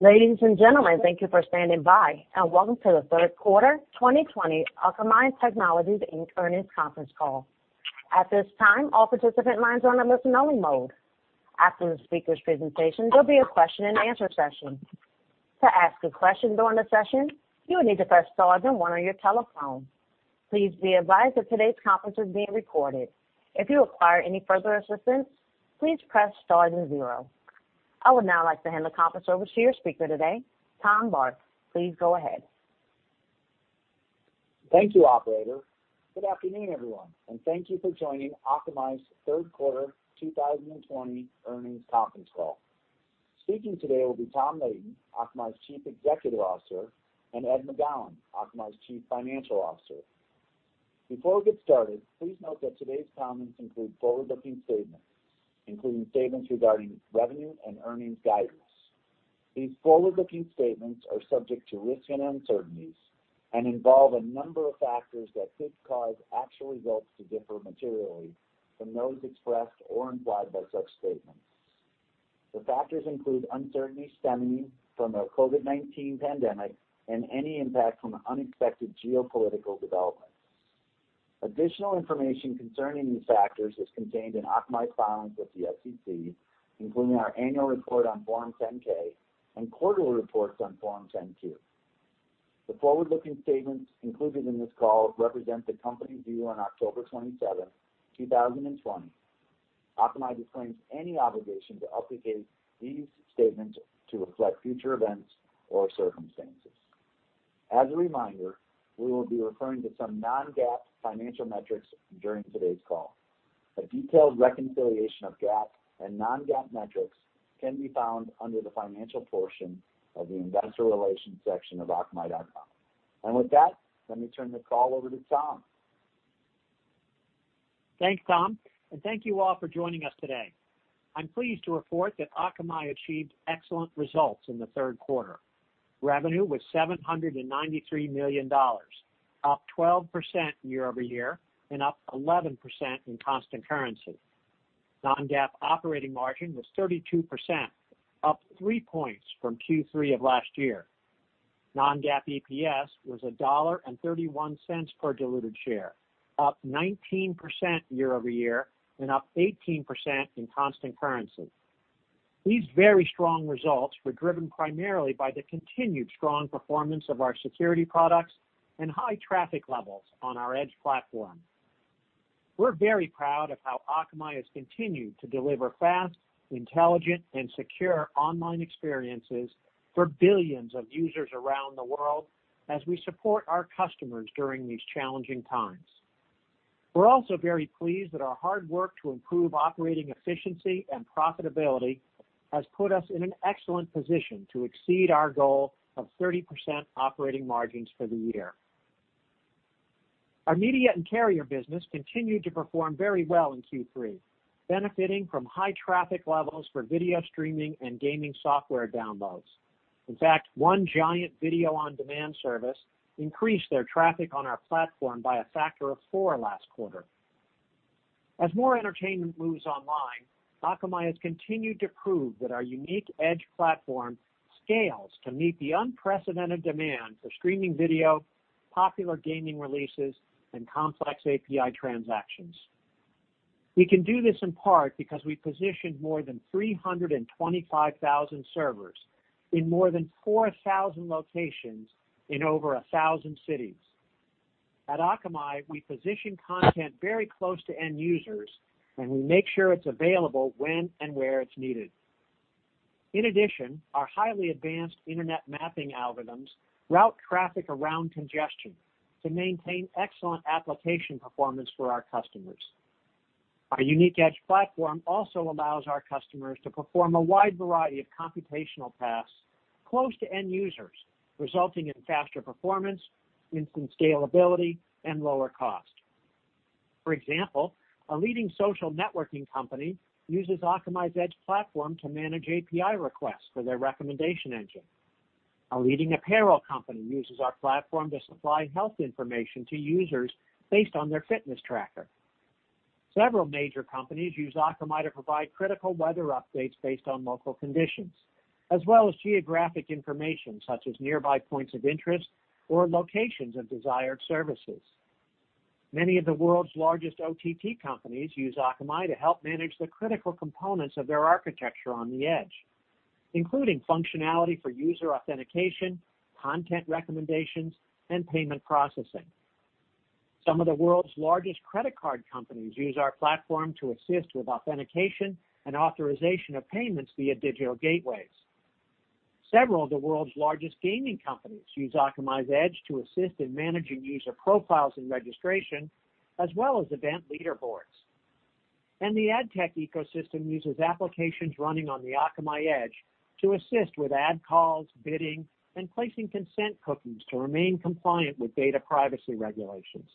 Ladies and gentlemen, thank you for standing by, and welcome to the third quarter 2020 Akamai Technologies Inc. earnings conference call. At this time, all participant lines are on a listen-only mode. After the speaker's presentation, there'll be a question and answer session. To ask a question during the session, you will need to press star then one on your telephone. Please be advised that today's conference is being recorded. If you require any further assistance, please press star then zero. I would now like to hand the conference over to your speaker today, Tom Barth. Please go ahead. Thank you, operator. Good afternoon, everyone, and thank you for joining Akamai's third quarter 2020 earnings conference call. Speaking today will be Tom Leighton, Akamai's Chief Executive Officer, and Ed McGowan, Akamai's Chief Financial Officer. Before we get started, please note that today's comments include forward-looking statements, including statements regarding revenue and earnings guidance. These forward-looking statements are subject to risks and uncertainties and involve a number of factors that could cause actual results to differ materially from those expressed or implied by such statements. The factors include uncertainty stemming from the COVID-19 pandemic and any impact from unexpected geopolitical developments. Additional information concerning these factors is contained in Akamai's filings with the SEC, including our annual report on Form 10-K and quarterly reports on Form 10-Q. The forward-looking statements included in this call represent the company's view on October 27th, 2020. Akamai disclaims any obligation to update these statements to reflect future events or circumstances. As a reminder, we will be referring to some non-GAAP financial metrics during today's call. A detailed reconciliation of GAAP and non-GAAP metrics can be found under the financial portion of the investor relations section of akamai.com. With that, let me turn the call over to Tom. Thanks, Tom, and thank you all for joining us today. I'm pleased to report that Akamai achieved excellent results in the third quarter. Revenue was $793 million, up 12% year-over-year, and up 11% in constant currency. Non-GAAP operating margin was 32%, up three points from Q3 of last year. Non-GAAP EPS was $1.31 per diluted share, up 19% year-over-year, and up 18% in constant currency. These very strong results were driven primarily by the continued strong performance of our security products and high traffic levels on our edge platform. We're very proud of how Akamai has continued to deliver fast, intelligent, and secure online experiences for billions of users around the world as we support our customers during these challenging times. We're also very pleased that our hard work to improve operating efficiency and profitability has put us in an excellent position to exceed our goal of 30% operating margins for the year. Our media and carrier business continued to perform very well in Q3, benefiting from high traffic levels for video streaming and gaming software downloads. In fact, one giant video-on-demand service increased their traffic on our platform by a factor of 4 last quarter. As more entertainment moves online, Akamai has continued to prove that our unique edge platform scales to meet the unprecedented demand for streaming video, popular gaming releases, and complex API transactions. We can do this in part because we positioned more than 325,000 servers in more than 4,000 locations in over 1,000 cities. At Akamai, we position content very close to end users, and we make sure it's available when and where it's needed. In addition, our highly advanced internet mapping algorithms route traffic around congestion to maintain excellent application performance for our customers. Our unique edge platform also allows our customers to perform a wide variety of computational tasks close to end users, resulting in faster performance, instant scalability, and lower cost. For example, a leading social networking company uses Akamai's edge platform to manage API requests for their recommendation engine. A leading apparel company uses our platform to supply health information to users based on their fitness tracker. Several major companies use Akamai to provide critical weather updates based on local conditions, as well as geographic information such as nearby points of interest or locations of desired services. Many of the world's largest OTT companies use Akamai to help manage the critical components of their architecture on the edge, including functionality for user authentication, content recommendations, and payment processing. Some of the world's largest credit card companies use our platform to assist with authentication and authorization of payments via digital gateways. Several of the world's largest gaming companies use Akamai's edge to assist in managing user profiles and registration, as well as event leaderboards. The AdTech ecosystem uses applications running on the Akamai edge to assist with ad calls, bidding, and placing consent cookies to remain compliant with data privacy regulations.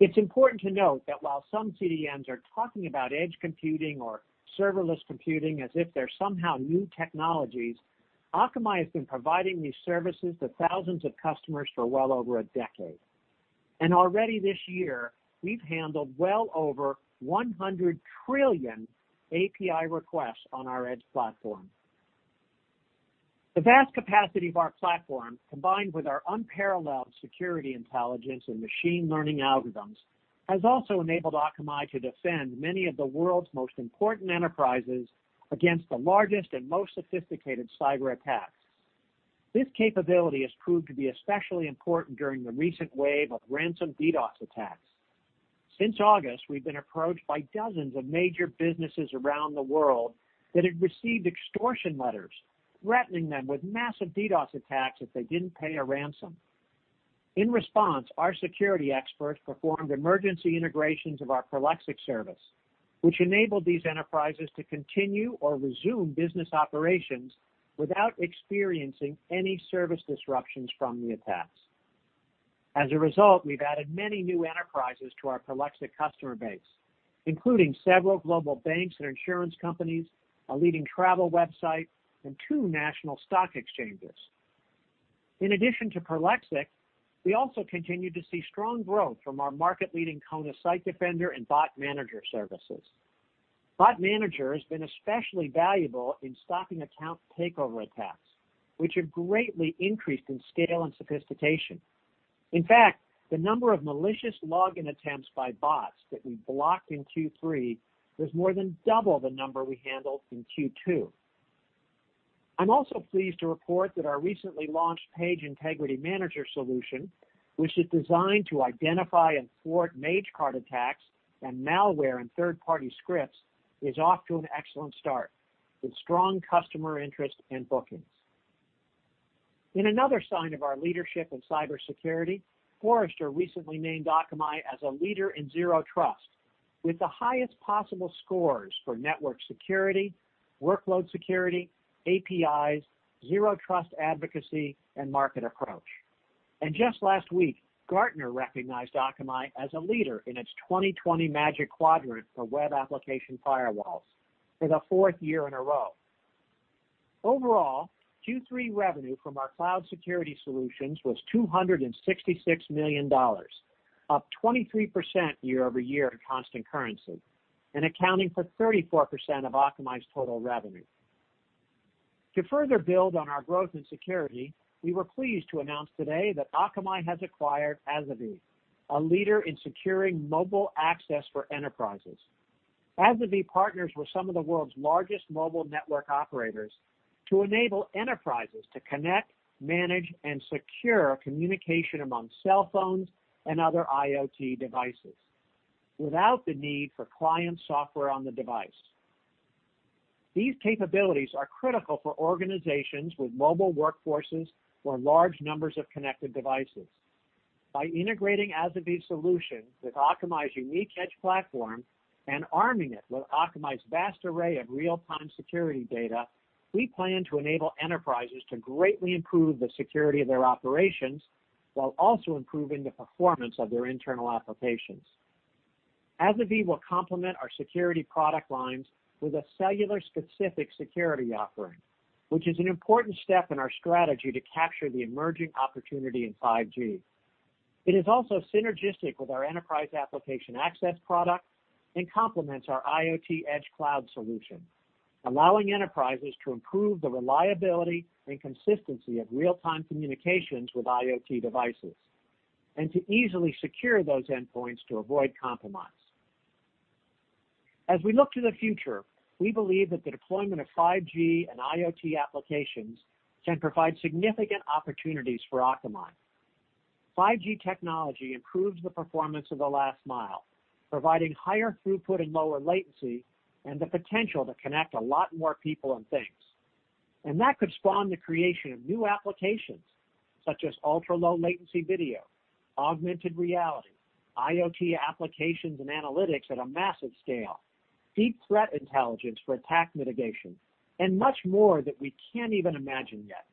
It's important to note that while some CDNs are talking about edge computing or serverless computing as if they're somehow new technologies, Akamai has been providing these services to thousands of customers for well over a decade. Already this year, we've handled well over 100 trillion API requests on our Edge platform. The vast capacity of our platform, combined with our unparalleled security intelligence and machine learning algorithms, has also enabled Akamai to defend many of the world's most important enterprises against the largest and most sophisticated cyber attacks. This capability has proved to be especially important during the recent wave of ransom DDoS attacks. Since August, we've been approached by dozens of major businesses around the world that had received extortion letters threatening them with massive DDoS attacks if they didn't pay a ransom. In response, our security experts performed emergency integrations of our Prolexic service, which enabled these enterprises to continue or resume business operations without experiencing any service disruptions from the attacks. As a result, we've added many new enterprises to our Prolexic customer base, including several global banks and insurance companies, a leading travel website, and two national stock exchanges. In addition to Prolexic, we also continue to see strong growth from our market-leading Kona Site Defender and Bot Manager services. Bot Manager has been especially valuable in stopping account takeover attacks, which have greatly increased in scale and sophistication. In fact, the number of malicious login attempts by bots that we blocked in Q3 was more than double the number we handled in Q2. I'm also pleased to report that our recently launched Page Integrity Manager solution, which is designed to identify and thwart Magecart attacks and malware in third-party scripts, is off to an excellent start with strong customer interest and bookings. In another sign of our leadership in cybersecurity, Forrester recently named Akamai as a leader in zero trust with the highest possible scores for network security, workload security, APIs, zero trust advocacy, and market approach. Just last week, Gartner recognized Akamai as a leader in its 2020 Magic Quadrant for web application firewalls for the fourth year in a row. Overall, Q3 revenue from our cloud security solutions was $266 million, up 23% year-over-year in constant currency, and accounting for 34% of Akamai's total revenue. To further build on our growth in security, we were pleased to announce today that Akamai has acquired Asavie, a leader in securing mobile access for enterprises. Asavie partners with some of the world's largest mobile network operators to enable enterprises to connect, manage, and secure communication among cell phones and other IoT devices without the need for client software on the device. These capabilities are critical for organizations with mobile workforces or large numbers of connected devices. By integrating Asavie's solution with Akamai's unique Edge platform and arming it with Akamai's vast array of real-time security data, we plan to enable enterprises to greatly improve the security of their operations while also improving the performance of their internal applications. Asavie will complement our security product lines with a cellular-specific security offering, which is an important step in our strategy to capture the emerging opportunity in 5G. It is also synergistic with our Enterprise Application Access product and complements our IoT Edge Cloud solution, allowing enterprises to improve the reliability and consistency of real-time communications with IoT devices and to easily secure those endpoints to avoid compromise. As we look to the future, we believe that the deployment of 5G and IoT applications can provide significant opportunities for Akamai. 5G technology improves the performance of the last mile, providing higher throughput and lower latency and the potential to connect a lot more people and things. That could spawn the creation of new applications such as ultra-low latency video, augmented reality, IoT applications and analytics at a massive scale, deep threat intelligence for attack mitigation, and much more that we can't even imagine yet.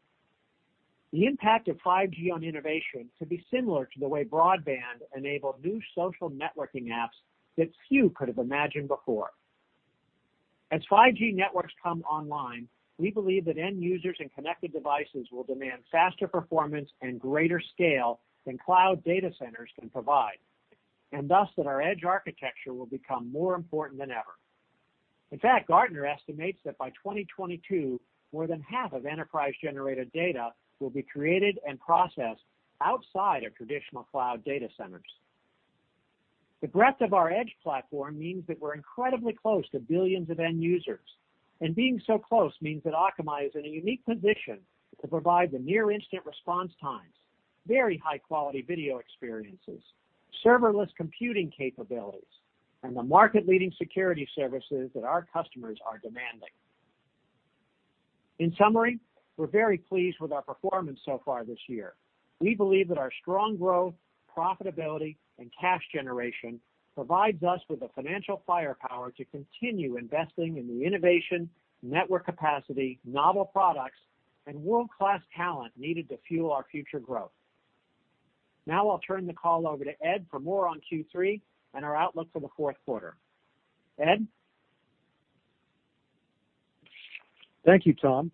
The impact of 5G on innovation could be similar to the way broadband enabled new social networking apps that few could have imagined before. As 5G networks come online, we believe that end users and connected devices will demand faster performance and greater scale than cloud data centers can provide, thus that our Edge architecture will become more important than ever. In fact, Gartner estimates that by 2022, more than half of enterprise-generated data will be created and processed outside of traditional cloud data centers. The breadth of our Edge platform means that we're incredibly close to billions of end users, and being so close means that Akamai is in a unique position to provide the near-instant response times, very high-quality video experiences, serverless computing capabilities, and the market-leading security services that our customers are demanding. In summary, we're very pleased with our performance so far this year. We believe that our strong growth, profitability, and cash generation provides us with the financial firepower to continue investing in the innovation, network capacity, novel products, and world-class talent needed to fuel our future growth. I'll turn the call over to Ed for more on Q3 and our outlook for the fourth quarter. Ed? Thank you, Tom.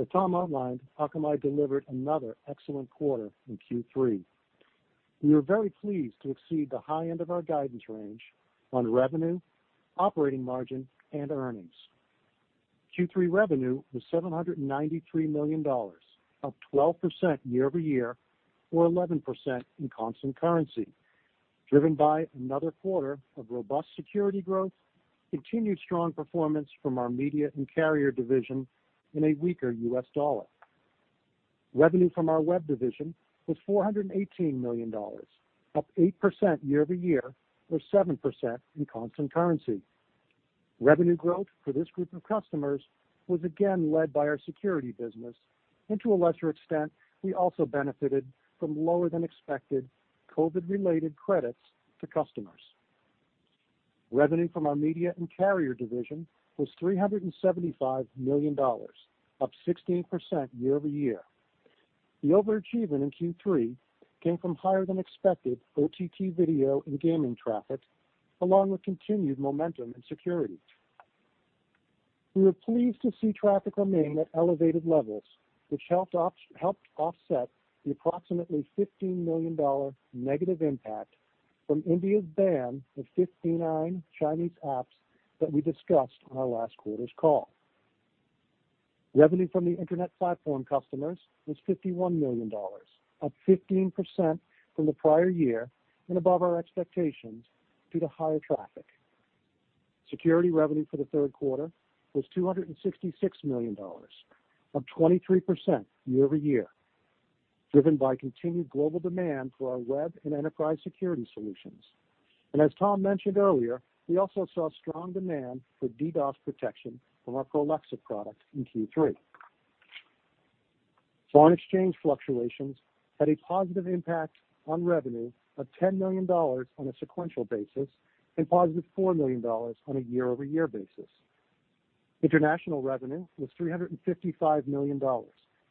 As Tom outlined, Akamai delivered another excellent quarter in Q3. We are very pleased to exceed the high end of our guidance range on revenue, operating margin, and earnings. Q3 revenue was $793 million, up 12% year-over-year, or 11% in constant currency, driven by another quarter of robust security growth, continued strong performance from our media and carrier division, and a weaker U.S. dollar. Revenue from our web division was $418 million, up 8% year-over-year, or 7% in constant currency. Revenue growth for this group of customers was again led by our security business, and to a lesser extent, we also benefited from lower than expected COVID-related credits to customers. Revenue from our media and carrier division was $375 million, up 16% year-over-year. The overachievement in Q3 came from higher than expected OTT video and gaming traffic, along with continued momentum in security. We were pleased to see traffic remain at elevated levels, which helped offset the approximately $15 million negative impact from India's ban of 59 Chinese apps that we discussed on our last quarter's call. Revenue from the internet platform customers was $51 million, up 15% from the prior year, and above our expectations due to higher traffic. Security revenue for the third quarter was $266 million, up 23% year-over-year, driven by continued global demand for our web and enterprise security solutions. As Tom mentioned earlier, we also saw strong demand for DDoS protection from our Prolexic product in Q3. Foreign exchange fluctuations had a positive impact on revenue of $10 million on a sequential basis and positive $4 million on a year-over-year basis. International revenue was $355 million,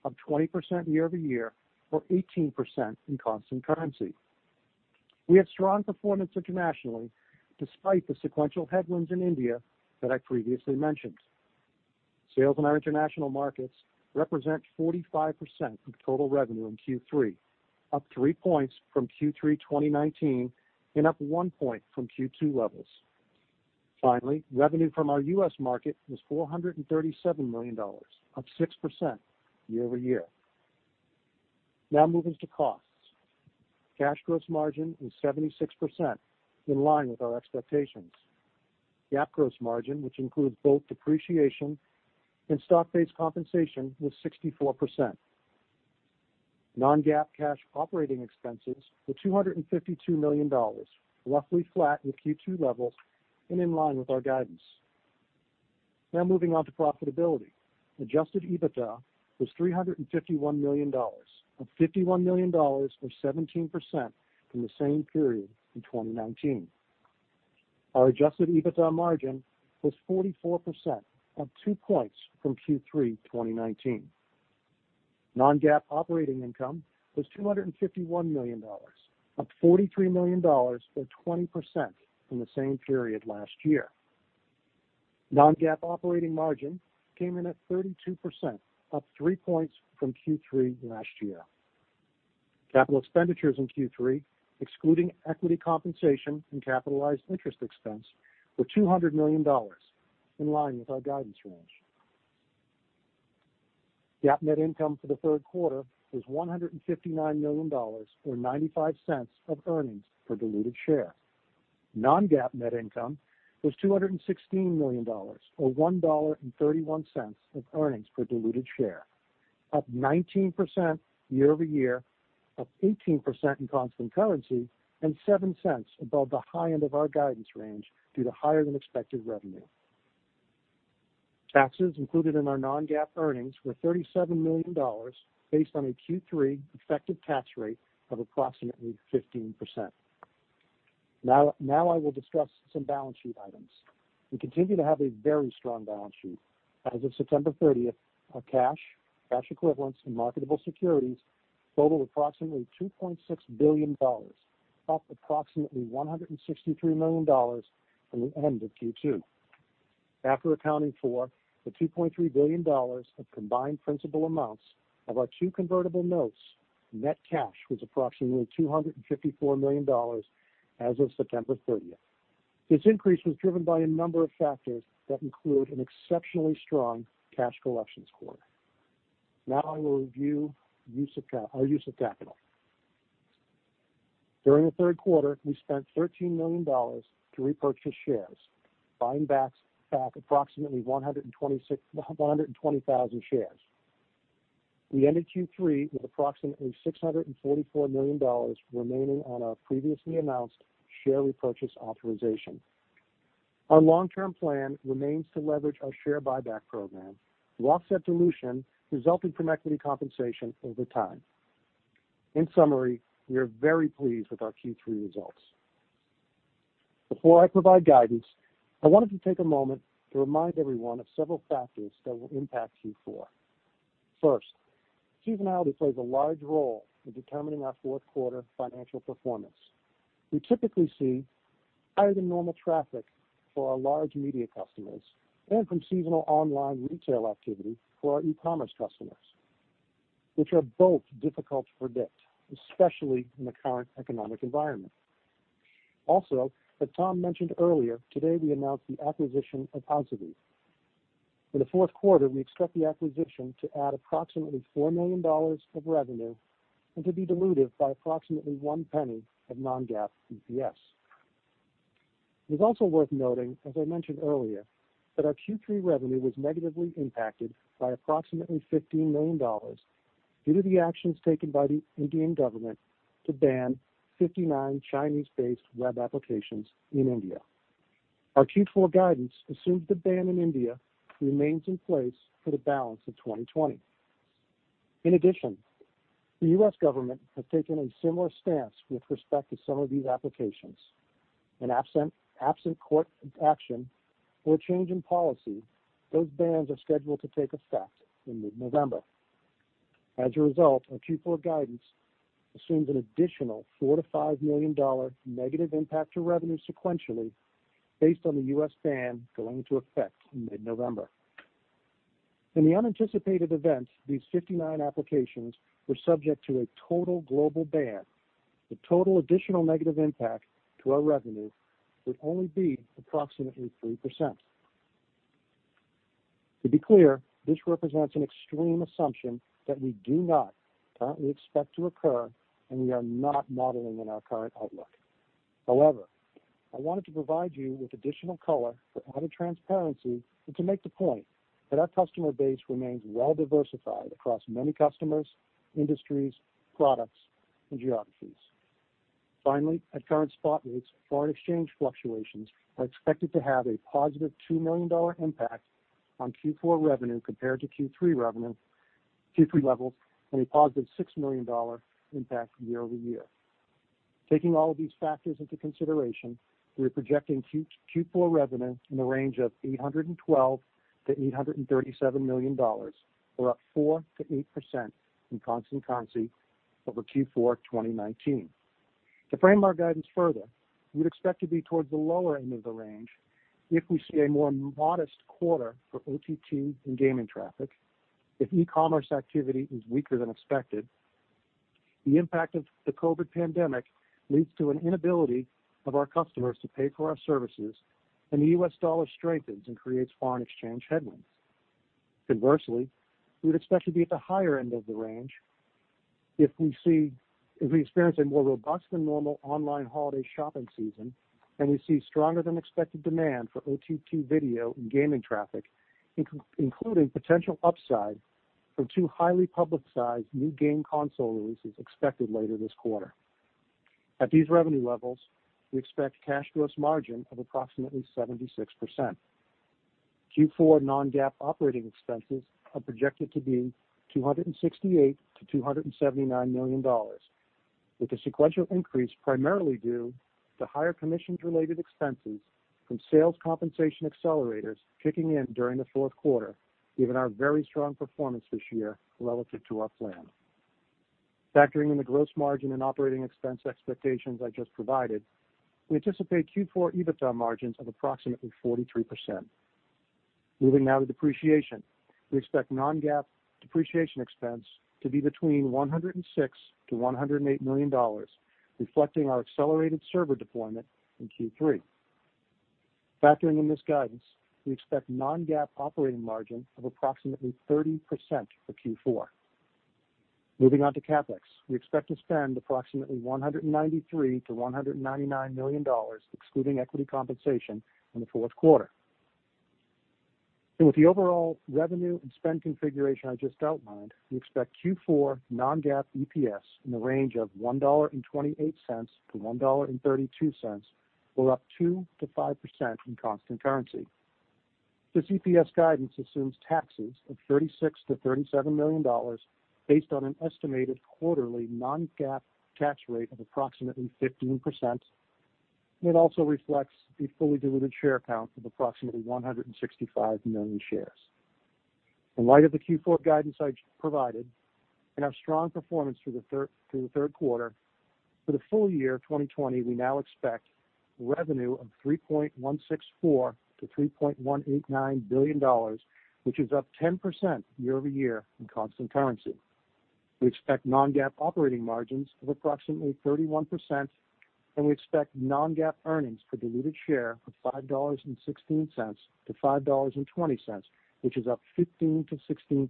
up 20% year-over-year, or 18% in constant currency. We had strong performance internationally despite the sequential headwinds in India that I previously mentioned. Sales in our international markets represent 45% of total revenue in Q3, up three points from Q3 2019, and up one point from Q2 levels. Finally, revenue from our U.S. market was $437 million, up 6% year-over-year. Now moving to costs. Cash gross margin was 76%, in line with our expectations. GAAP gross margin, which includes both depreciation and stock-based compensation, was 64%. Non-GAAP cash operating expenses were $252 million, roughly flat with Q2 levels, and in line with our guidance. Now moving on to profitability. Adjusted EBITDA was $351 million, up $51 million, or 17%, from the same period in 2019. Our adjusted EBITDA margin was 44%, up two points from Q3 2019. Non-GAAP operating income was $251 million, up $43 million, or 20%, from the same period last year. Non-GAAP operating margin came in at 32%, up three points from Q3 last year. Capital expenditures in Q3, excluding equity compensation and capitalized interest expense, were $200 million, in line with our guidance range. GAAP net income for the third quarter was $159 million, or $0.95 of earnings per diluted share. Non-GAAP net income was $216 million, or $1.31 of earnings per diluted share, up 19% year-over-year, up 18% in constant currency, and $0.07 above the high end of our guidance range due to higher than expected revenue. Taxes included in our non-GAAP earnings were $37 million, based on a Q3 effective tax rate of approximately 15%. I will discuss some balance sheet items. We continue to have a very strong balance sheet. As of September 30th, our cash equivalents, and marketable securities totaled approximately $2.6 billion, up approximately $163 million from the end of Q2. After accounting for the $2.3 billion of combined principal amounts of our two convertible notes, net cash was approximately $254 million as of September 30th. This increase was driven by a number of factors that include an exceptionally strong cash collections quarter. Now I will review our use of capital. During the third quarter, we spent $13 million to repurchase shares, buying back approximately 120,000 shares. We ended Q3 with approximately $644 million remaining on our previously announced share repurchase authorization. Our long-term plan remains to leverage our share buyback program to offset dilution resulting from equity compensation over time. In summary, we are very pleased with our Q3 results. Before I provide guidance, I wanted to take a moment to remind everyone of several factors that will impact Q4. First, seasonality plays a large role in determining our fourth quarter financial performance. We typically see higher than normal traffic for our large media customers and from seasonal online retail activity for our e-commerce customers, which are both difficult to predict, especially in the current economic environment. Also, as Tom mentioned earlier, today we announced the acquisition of Asavie. For the fourth quarter, we expect the acquisition to add approximately $4 million of revenue and to be dilutive by approximately one penny of non-GAAP EPS. It is also worth noting, as I mentioned earlier, that our Q3 revenue was negatively impacted by approximately $15 million due to the actions taken by the Indian government to ban 59 Chinese-based web applications in India. Our Q4 guidance assumes the ban in India remains in place for the balance of 2020. The U.S. government has taken a similar stance with respect to some of these applications, and absent court action or change in policy, those bans are scheduled to take effect in mid-November. As a result, our Q4 guidance assumes an additional $4 million-$5 million negative impact to revenue sequentially based on the U.S. ban going into effect in mid-November. In the unanticipated event these 59 applications were subject to a total global ban, the total additional negative impact to our revenue would only be approximately 3%. To be clear, this represents an extreme assumption that we do not currently expect to occur, and we are not modeling in our current outlook. I wanted to provide you with additional color for added transparency and to make the point that our customer base remains well-diversified across many customers, industries, products, and geographies. Finally, at current spot rates, foreign exchange fluctuations are expected to have a positive $2 million impact on Q4 revenue compared to Q3 levels and a positive $6 million impact year-over-year. Taking all of these factors into consideration, we are projecting Q4 revenue in the range of $812-$837 million, or up 4%-8% in constant currency over Q4 2019. To frame our guidance further, we would expect to be towards the lower end of the range if we see a more modest quarter for OTT and gaming traffic, if e-commerce activity is weaker than expected, the impact of the COVID pandemic leads to an inability of our customers to pay for our services. The U.S. dollar strengthens and creates foreign exchange headwinds. Conversely, we would expect to be at the higher end of the range if we experience a more robust than normal online holiday shopping season and we see stronger than expected demand for OTT video and gaming traffic, including potential upside from two highly publicized new game console releases expected later this quarter. At these revenue levels, we expect cash gross margin of approximately 76%. Q4 non-GAAP operating expenses are projected to be $268 million-$279 million, with a sequential increase primarily due to higher commissions-related expenses from sales compensation accelerators kicking in during the fourth quarter, given our very strong performance this year relative to our plan. Factoring in the gross margin and operating expense expectations I just provided, we anticipate Q4 EBITDA margins of approximately 43%. Moving now to depreciation. We expect non-GAAP depreciation expense to be between $106 million-$108 million, reflecting our accelerated server deployment in Q3. Factoring in this guidance, we expect non-GAAP operating margin of approximately 30% for Q4. Moving on to CapEx. We expect to spend approximately $193 million-$199 million, excluding equity compensation, in the fourth quarter. With the overall revenue and spend configuration I just outlined, we expect Q4 non-GAAP EPS in the range of $1.28-$1.32, or up 2%-5% in constant currency. This EPS guidance assumes taxes of $36 million-$37 million based on an estimated quarterly non-GAAP tax rate of approximately 15%, and it also reflects a fully diluted share count of approximately 165 million shares. In light of the Q4 guidance I just provided and our strong performance through the third quarter, for the full year 2020, we now expect revenue of $3.164 billion-$3.189 billion, which is up 10% year-over-year in constant currency. We expect non-GAAP operating margins of approximately 31%, and we expect non-GAAP earnings per diluted share of $5.16-$5.20, which is up 15%-16%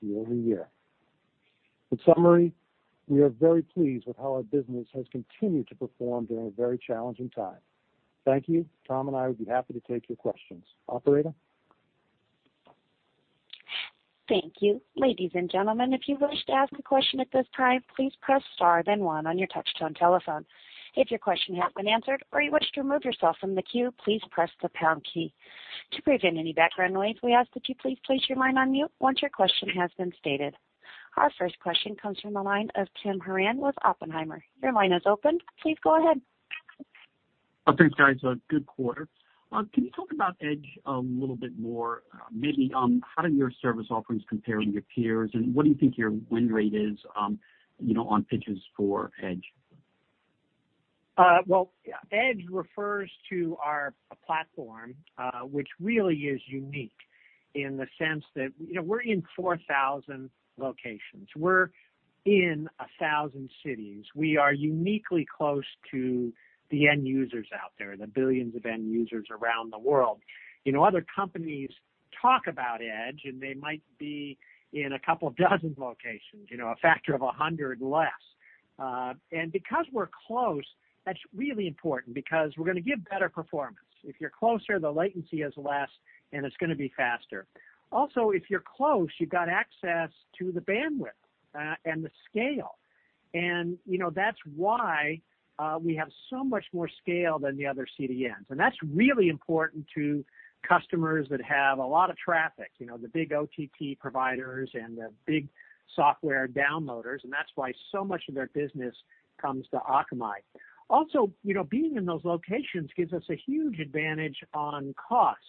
year-over-year. In summary, we are very pleased with how our business has continued to perform during a very challenging time. Thank you. Tom and I would be happy to take your questions. Operator? Our first question comes from the line of Tim Horan with Oppenheimer. Your line is open. Please go ahead. Thanks, guys. Good quarter. Can you talk about Edge a little bit more? Maybe on how do your service offerings compare with your peers, and what do you think your win rate is on pitches for Edge? Edge refers to our platform, which really is unique in the sense that we're in 4,000 locations. We're in 1,000 cities. We are uniquely close to the end users out there, the billions of end users around the world. Other companies talk about Edge, they might be in a couple dozen locations, a factor of 100 less. Because we're close, that's really important because we're going to give better performance. If you're closer, the latency is less, it's going to be faster. Also, if you're close, you've got access to the bandwidth and the scale, that's why we have so much more scale than the other CDNs. That's really important to customers that have a lot of traffic, the big OTT providers and the big software downloaders, that's why so much of their business comes to Akamai. Being in those locations gives us a huge advantage on cost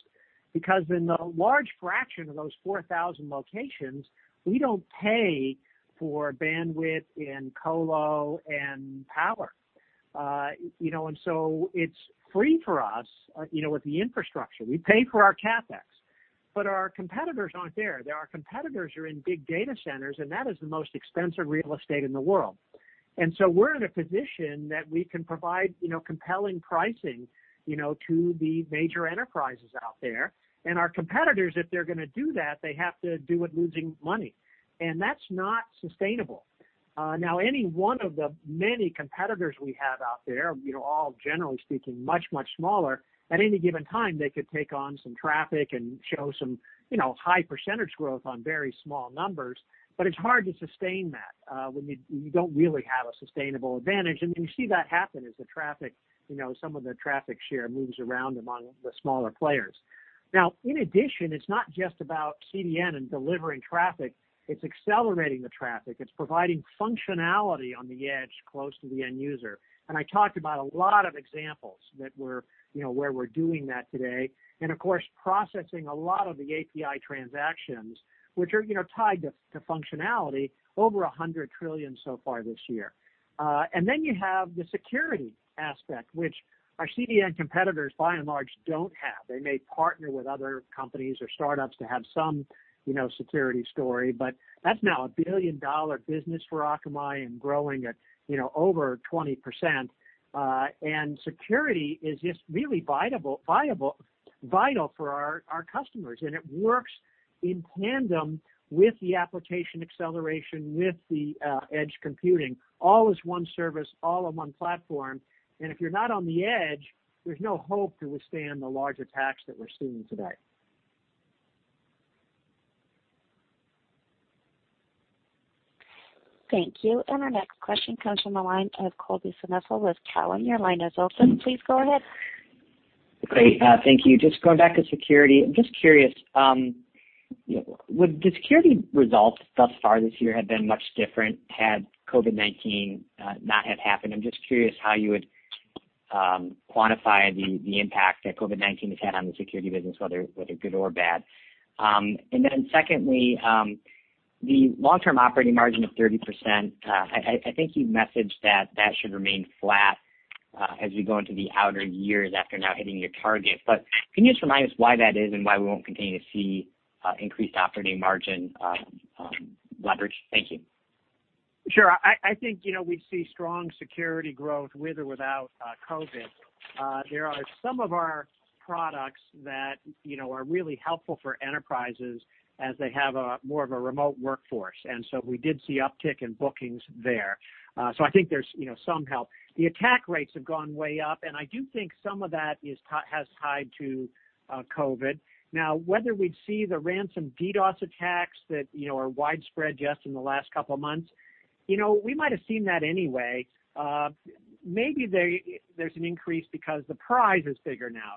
because in the large fraction of those 4,000 locations, we don't pay for bandwidth and colo and power. It's free for us with the infrastructure. We pay for our CapEx, but our competitors aren't there. Our competitors are in big data centers, and that is the most expensive real estate in the world. We're in a position that we can provide compelling pricing to the major enterprises out there. Our competitors, if they're going to do that, they have to do it losing money, and that's not sustainable. Any one of the many competitors we have out there, all generally speaking, much, much smaller, at any given time, they could take on some traffic and show some high percentage growth on very small numbers. It's hard to sustain that when you don't really have a sustainable advantage. You see that happen as some of the traffic share moves around among the smaller players. In addition, it's not just about CDN and delivering traffic, it's accelerating the traffic. It's providing functionality on the edge close to the end user. I talked about a lot of examples where we're doing that today, and of course, processing a lot of the API transactions, which are tied to functionality, over 100 trillion so far this year. Then you have the security aspect, which our CDN competitors by and large don't have. They may partner with other companies or startups to have some security story, but that's now a billion-dollar business for Akamai and growing at over 20%. Security is just really vital for our customers, and it works in tandem with the application acceleration, with the edge computing, all as one service, all on one platform. If you're not on the edge, there's no hope to withstand the large attacks that we're seeing today. Thank you. Our next question comes from the line of Colby Synesael with Cowen. Your line is open. Please go ahead. Great. Thank you. Just going back to security, I'm just curious, would the security results thus far this year had been much different had COVID-19 not have happened? I'm just curious how you would quantify the impact that COVID-19 has had on the security business, whether good or bad. Secondly, the long-term operating margin of 30%, I think you've messaged that that should remain flat as we go into the outer years after now hitting your target. Can you just remind us why that is and why we won't continue to see increased operating margin leverage? Thank you. Sure. I think we'd see strong security growth with or without COVID. There are some of our products that are really helpful for enterprises as they have more of a remote workforce, and so we did see uptick in bookings there. I think there's some help. The attack rates have gone way up, and I do think some of that has tied to COVID. Whether we'd see the ransom DDoS attacks that are widespread just in the last couple of months, we might have seen that anyway. Maybe there's an increase because the prize is bigger now.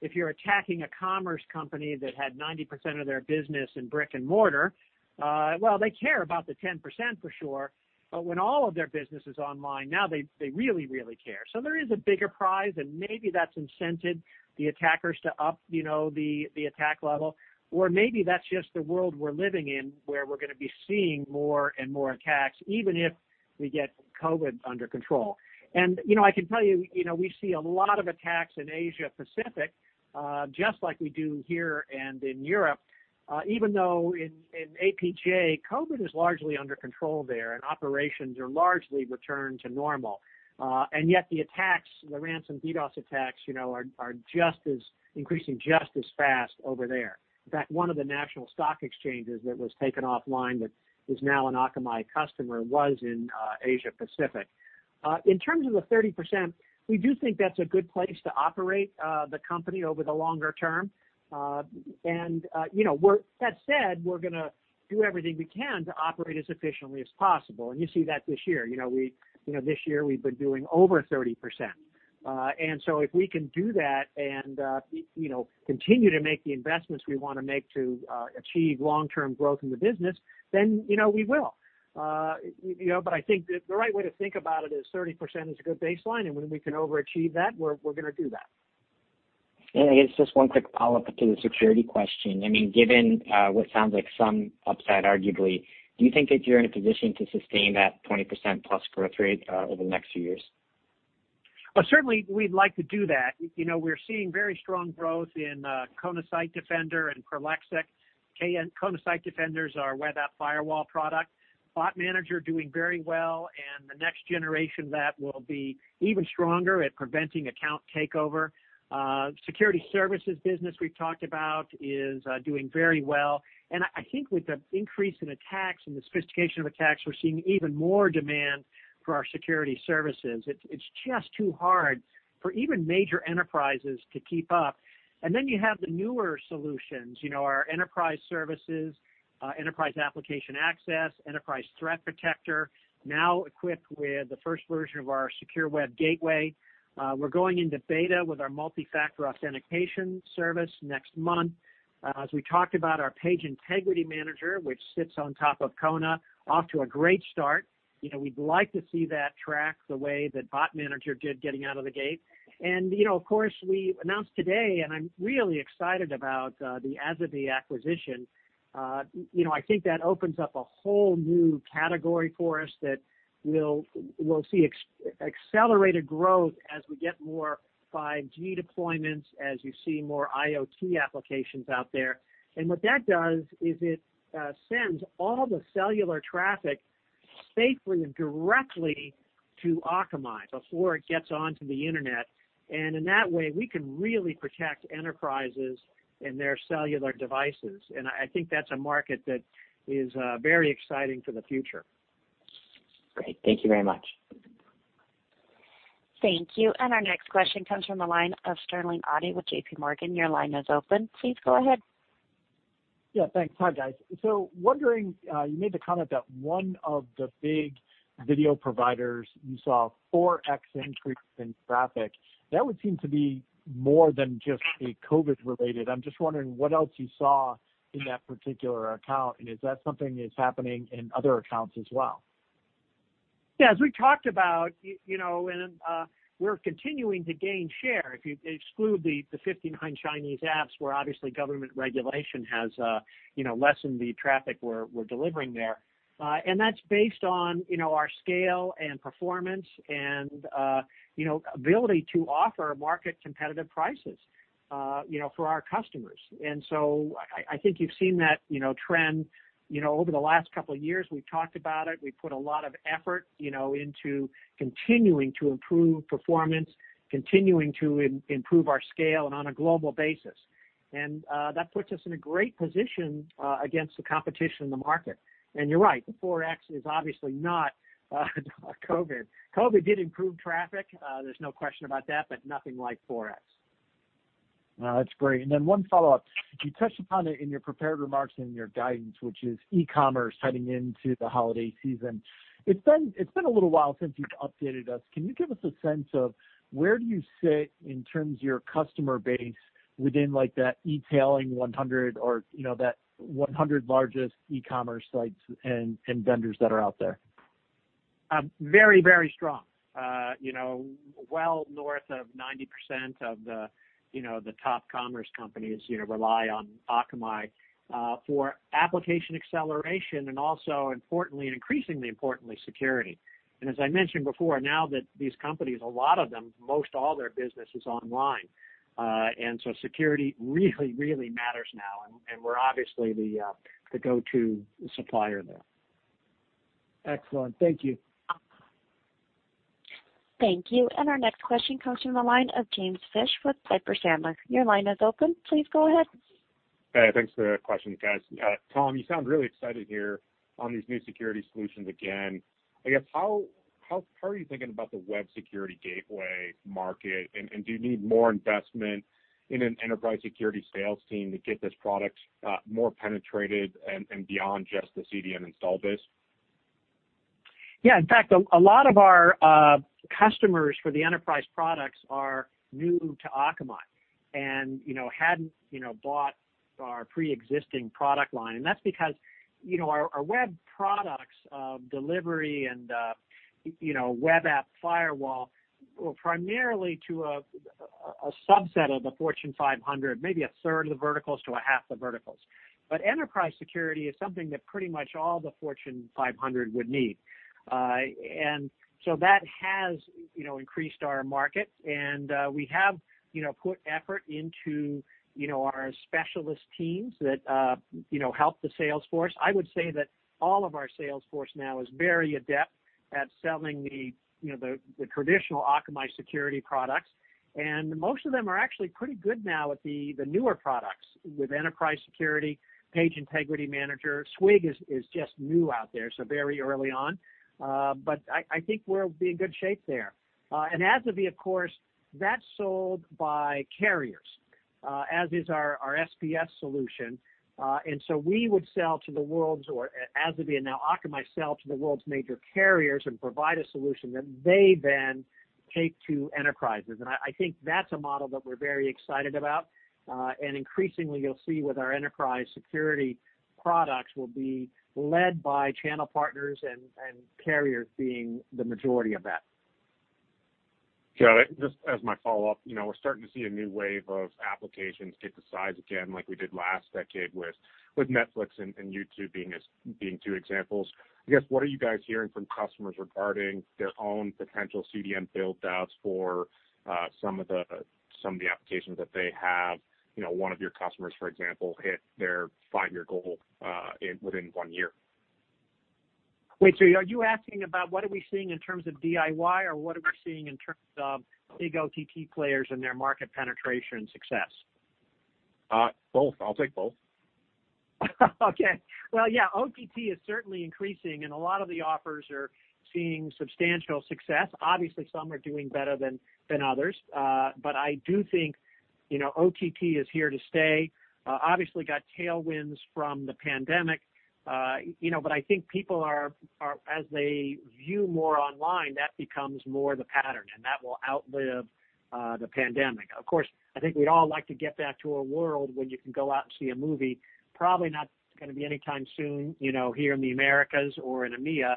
If you're attacking a commerce company that had 90% of their business in brick and mortar, well, they care about the 10% for sure, but when all of their business is online, now they really, really care. There is a bigger prize, and maybe that's incented the attackers to up the attack level. Maybe that's just the world we're living in, where we're going to be seeing more and more attacks even if we get COVID under control. I can tell you, we see a lot of attacks in Asia Pacific, just like we do here and in Europe, even though in APJ, COVID is largely under control there and operations are largely returned to normal. Yet the attacks, the ransom DDoS attacks, are increasing just as fast over there. In fact, one of the national stock exchanges that was taken offline that is now an Akamai customer was in Asia Pacific. In terms of the 30%, we do think that's a good place to operate the company over the longer- term. That said, we're going to do everything we can to operate as efficiently as possible. You see that this year. This year, we've been doing over 30%. So if we can do that and continue to make the investments we want to make to achieve long-term growth in the business, then we will. I think the right way to think about it is 30% is a good baseline, and when we can overachieve that, we're going to do that. Yeah, I guess just one quick follow-up to the security question. Given what sounds like some upside, arguably, do you think that you're in a position to sustain that 20% plus growth rate over the next few years? Certainly, we'd like to do that. We're seeing very strong growth in Kona Site Defender and Prolexic. Kona Site Defender's our web app firewall product. Bot Manager doing very well, and the next generation of that will be even stronger at preventing account takeover. Security services business we've talked about is doing very well. I think with the increase in attacks and the sophistication of attacks, we're seeing even more demand for our security services. It's just too hard for even major enterprises to keep up. Then you have the newer solutions, our enterprise services, Enterprise Application Access, Enterprise Threat Protector, now equipped with the first version of our secure web gateway. We're going into beta with our multi-factor authentication service next month. As we talked about, our Page Integrity Manager, which sits on top of Kona, off to a great start. We'd like to see that track the way that Bot Manager did getting out of the gate. Of course, we announced today, I'm really excited about the Asavie acquisition. I think that opens up a whole new category for us that we'll see accelerated growth as we get more 5G deployments, as we see more IoT applications out there. What that does is it sends all the cellular traffic safely and directly to Akamai before it gets onto the internet. In that way, we can really protect enterprises and their cellular devices. I think that's a market that is very exciting for the future. Great. Thank you very much. Thank you. Our next question comes from the line of Sterling Auty with JPMorgan. Your line is open. Please go ahead. Yeah, thanks. Hi, guys. Wondering, you made the comment that one of the big video providers, you saw 4x increase in traffic. That would seem to be more than just a COVID-related. I'm just wondering what else you saw in that particular account, and is that something that's happening in other accounts as well? Yeah, as we talked about, we're continuing to gain share, if you exclude the 59 Chinese apps, where obviously government regulation has lessened the traffic we're delivering there. That's based on our scale and performance and ability to offer market-competitive prices for our customers. I think you've seen that trend over the last couple of years. We've talked about it. We put a lot of effort into continuing to improve performance, continuing to improve our scale and on a global basis. That puts us in a great position against the competition in the market. You're right, the 4x is obviously not COVID. COVID did improve traffic, there's no question about that, nothing like 4x. That's great. Then one follow-up. You touched upon it in your prepared remarks in your guidance, which is e-commerce heading into the holiday season. It's been a little while since you've updated us. Can you give us a sense of where do you sit in terms of your customer base within that e-tailing 100 or that 100 largest e-commerce sites and vendors that are out there? Very, very strong. Well north of 90% of the top commerce companies rely on Akamai for application acceleration and also importantly, and increasingly importantly, security. As I mentioned before, now that these companies, a lot of them, most all their business is online. Security really, really matters now, and we're obviously the go-to supplier there. Excellent. Thank you. Thank you. Our next question comes from the line of James Fish with Piper Sandler. Your line is open. Please go ahead. Hey, thanks for the question, guys. Tom, you sound really excited here on these new security solutions again. I guess, how are you thinking about the web security gateway market, do you need more investment in an enterprise security sales team to get this product more penetrated and beyond just the CDN install base? Yeah, in fact, a lot of our customers for the enterprise products are new to Akamai and hadn't bought our preexisting product line. That's because our web products, delivery and web app firewall, were primarily to a subset of the Fortune 500, maybe a third of the verticals to a half the verticals. Enterprise security is something that pretty much all the Fortune 500 would need. That has increased our market, and we have put effort into our specialist teams that help the sales force. I would say that all of our sales force now is very adept at selling the traditional Akamai security products. Most of them are actually pretty good now at the newer products with enterprise security, Page Integrity Manager. SWG is just new out there, so very early on. I think we'll be in good shape there. Asavie, of course, that's sold by carriers, as is our SPS solution. We would sell to the world's or Asavie and now Akamai sell to the world's major carriers and provide a solution that they then take to enterprises. I think that's a model that we're very excited about. Increasingly, you'll see with our enterprise security products will be led by channel partners and carriers being the majority of that. Got it. Just as my follow-up, we're starting to see a new wave of applications get to size again like we did last decade with Netflix and YouTube being two examples. I guess, what are you guys hearing from customers regarding their own potential CDN build-outs for some of the applications that they have? One of your customers, for example, hit their five-year goal within one year. Wait, are you asking about what are we seeing in terms of DIY or what are we seeing in terms of big OTT players and their market penetration success? Both. I'll take both. Well, yeah, OTT is certainly increasing, and a lot of the offers are seeing substantial success. Obviously, some are doing better than others. I do think OTT is here to stay. Obviously got tailwinds from the pandemic. I think people are, as they view more online, that becomes more the pattern, and that will outlive the pandemic. Of course, I think we'd all like to get back to a world where you can go out and see a movie. Probably not going to be anytime soon, here in the Americas or in EMEA.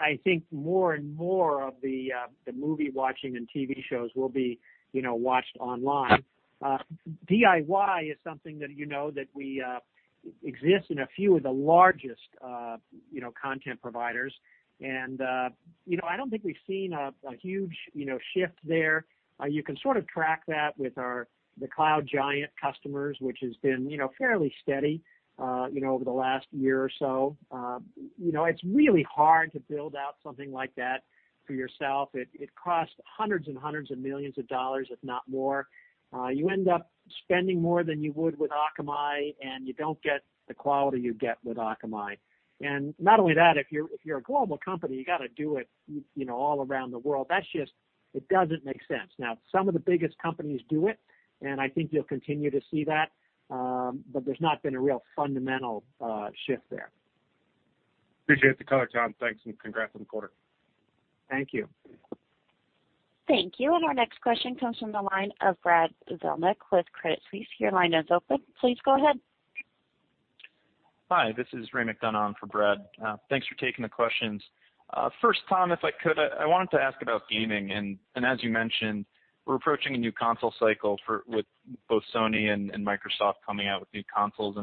I think more and more of the movie watching and TV shows will be watched online. DIY is something that you know that we exist in a few of the largest content providers. I don't think we've seen a huge shift there. You can sort of track that with the cloud giant customers, which has been fairly steady over the last year or so. It's really hard to build out something like that for yourself. It costs hundreds and hundreds of millions of dollars, if not more. You end up spending more than you would with Akamai, and you don't get the quality you get with Akamai. Not only that, if you're a global company, you got to do it all around the world. It doesn't make sense. Now, some of the biggest companies do it, and I think you'll continue to see that. There's not been a real fundamental shift there. Appreciate the color, Tom. Thanks, and congrats on the quarter. Thank you. Thank you. Our next question comes from the line of Brad Zelnick with Credit Suisse. Your line is open. Please go ahead. Hi, this is Ray McDonough for Brad Zelnick. Thanks for taking the questions. First, Tom Leighton, if I could, I wanted to ask about gaming. As you mentioned, we're approaching a new console cycle with both Sony and Microsoft coming out with new consoles.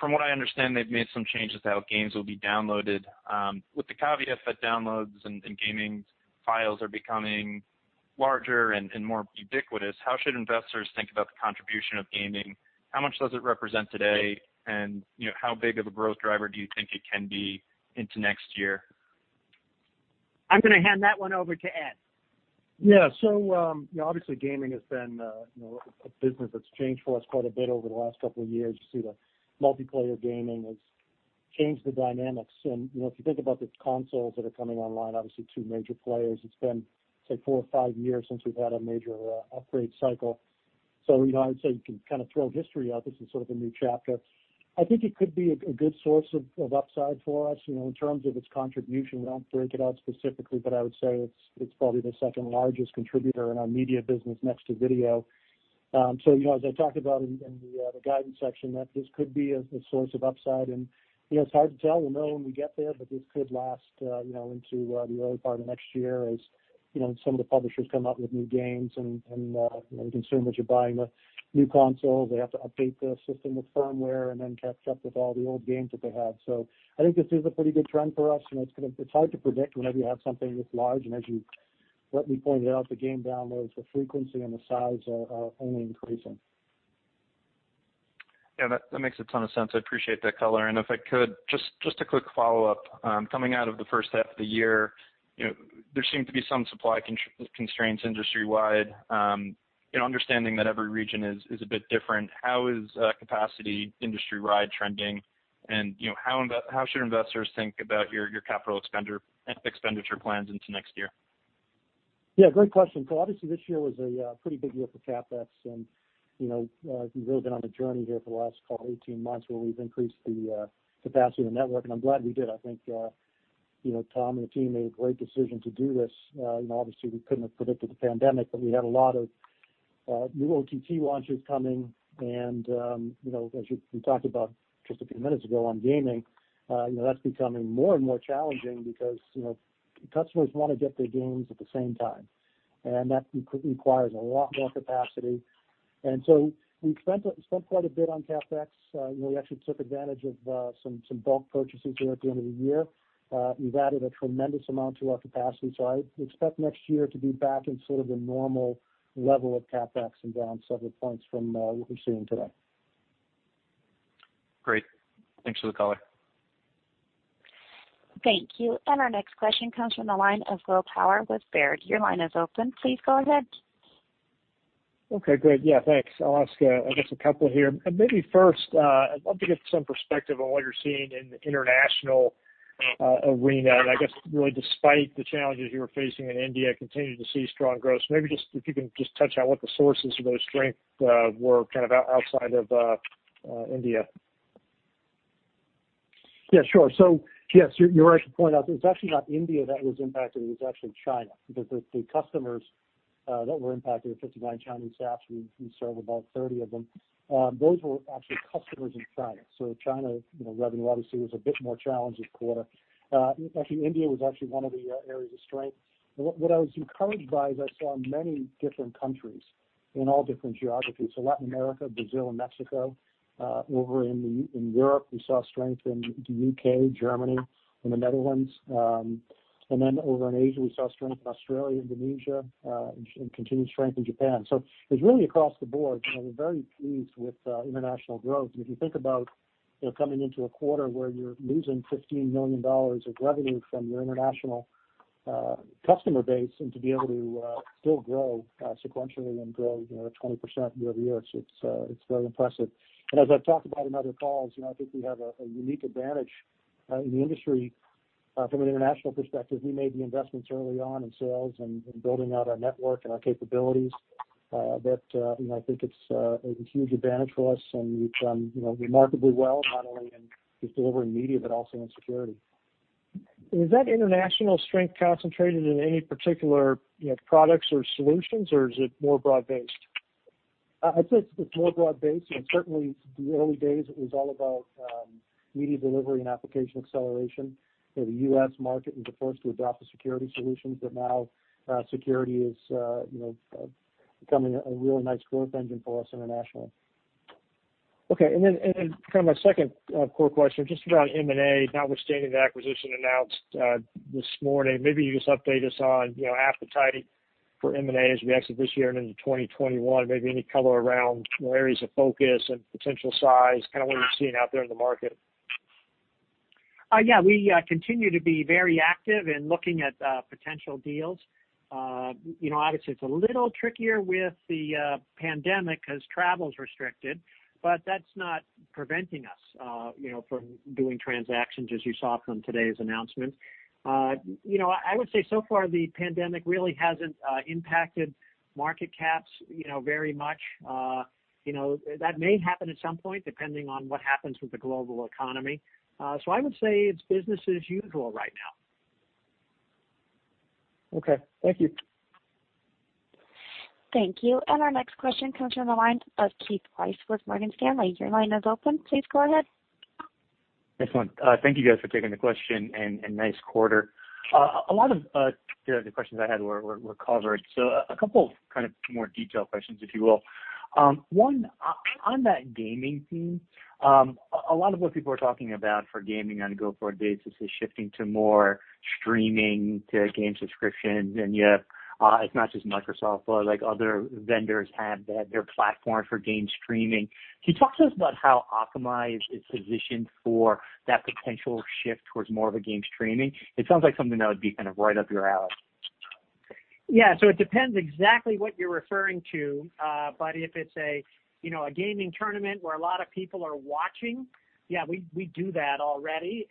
From what I understand, they've made some changes to how games will be downloaded. With the caveat that downloads and gaming files are becoming larger and more ubiquitous, how should investors think about the contribution of gaming? How much does it represent today? How big of a growth driver do you think it can be into next year? I'm going to hand that one over to Ed. Yeah. Obviously, gaming has been a business that's changed for us quite a bit over the last couple of years. You see the multiplayer gaming has changed the dynamics. If you think about the consoles that are coming online, obviously two major players, it's been, say, four or five years since we've had a major upgrade cycle. I would say you can kind of throw history out. This is sort of a new chapter. I think it could be a good source of upside for us. In terms of its contribution, we don't break it out specifically, but I would say it's probably the second-largest contributor in our media business next to video. As I talked about in the guidance section, that this could be a source of upside, and it's hard to tell. We'll know when we get there, this could last into the early part of next year as some of the publishers come out with new games and the concern that you're buying a new console, they have to update the system with firmware and then catch up with all the old games that they have. I think this is a pretty good trend for us, and it's hard to predict whenever you have something this large, and as you rightly pointed out, the game downloads, the frequency and the size are only increasing. Yeah, that makes a ton of sense. I appreciate that color. If I could, just a quick follow-up. Coming out of the first half of the year, there seemed to be some supply constraints industry-wide. Understanding that every region is a bit different, how is capacity industry-wide trending, and how should investors think about your capital expenditure plans into next year? Great question. Obviously, this year was a pretty big year for CapEx, and we've really been on a journey here for the last, call it 18 months, where we've increased the capacity of the network, and I'm glad we did. I think Tom and the team made a great decision to do this. Obviously, we couldn't have predicted the pandemic, but we had a lot of new OTT launches coming, and as we talked about just a few minutes ago on gaming, that's becoming more and more challenging because customers want to get their games at the same time, and that requires a lot more capacity. We spent quite a bit on CapEx. We actually took advantage of some bulk purchases here at the end of the year. We've added a tremendous amount to our capacity. I expect next year to be back in sort of a normal level of CapEx and down several points from what we're seeing today. Great. Thanks for the color. Thank you. Our next question comes from the line of Will Power with Baird. Your line is open. Please go ahead. Okay, great. Yeah, thanks. I'll ask I guess a couple here. Maybe first, I'd love to get some perspective on what you're seeing in the international arena. I guess really, despite the challenges you were facing in India, continue to see strong growth. Maybe just if you can just touch on what the sources of those strengths were kind of outside of India. Yeah, sure. Yes, you're right to point out that it's actually not India that was impacted, it was actually China, because the customers that were impacted are 59 Chinese staffs. We serve about 30 of them. Those were actually customers in China. China revenue obviously was a bit more challenged this quarter. Actually, India was actually one of the areas of strength. What I was encouraged by is I saw many different countries in all different geographies, so Latin America, Brazil, and Mexico. Over in Europe, we saw strength in the U.K., Germany, and the Netherlands. Then over in Asia, we saw strength in Australia, Indonesia, and continued strength in Japan. It's really across the board. We're very pleased with international growth. If you think about coming into a quarter where you're losing $15 million of revenue from your international customer base and to be able to still grow sequentially and grow 20% year-over-year, it's very impressive. As I've talked about in other calls, I think we have a unique advantage in the industry from an international perspective. We made the investments early on in sales and in building out our network and our capabilities. I think it's a huge advantage for us, and we've done remarkably well, not only in just delivering media, but also in security. Is that international strength concentrated in any particular products or solutions, or is it more broad-based? I'd say it's more broad-based, and certainly the early days, it was all about media delivery and application acceleration. The U.S. market was the first to adopt the security solutions, but now security is becoming a really nice growth engine for us internationally. Okay, kind of my second core question, just about M&A, notwithstanding the acquisition announced this morning. Maybe you just update us on appetite for M&A as we exit this year and into 2021? Maybe any color around areas of focus and potential size, kind of what you're seeing out there in the market? We continue to be very active in looking at potential deals. Obviously, it's a little trickier with the pandemic because travel's restricted, but that's not preventing us from doing transactions, as you saw from today's announcement. I would say so far, the pandemic really hasn't impacted market caps very much. That may happen at some point, depending on what happens with the global economy. I would say it's business as usual right now. Okay. Thank you. Thank you. Our next question comes from the line of Keith Weiss with Morgan Stanley. Your line is open. Please go ahead. Excellent. Thank you guys for taking the question, and nice quarter. A lot of the questions I had were covered. A couple kind of more detailed questions, if you will. One, on that gaming theme, a lot of what people are talking about for gaming on a go-forward basis is shifting to more streaming to game subscriptions, and it's not just Microsoft, but other vendors have their platform for game streaming. Can you talk to us about how Akamai is positioned for that potential shift towards more of a game streaming? It sounds like something that would be kind of right up your alley. Yeah. It depends exactly what you're referring to. If it's a gaming tournament where a lot of people are watching, yeah, we do that already.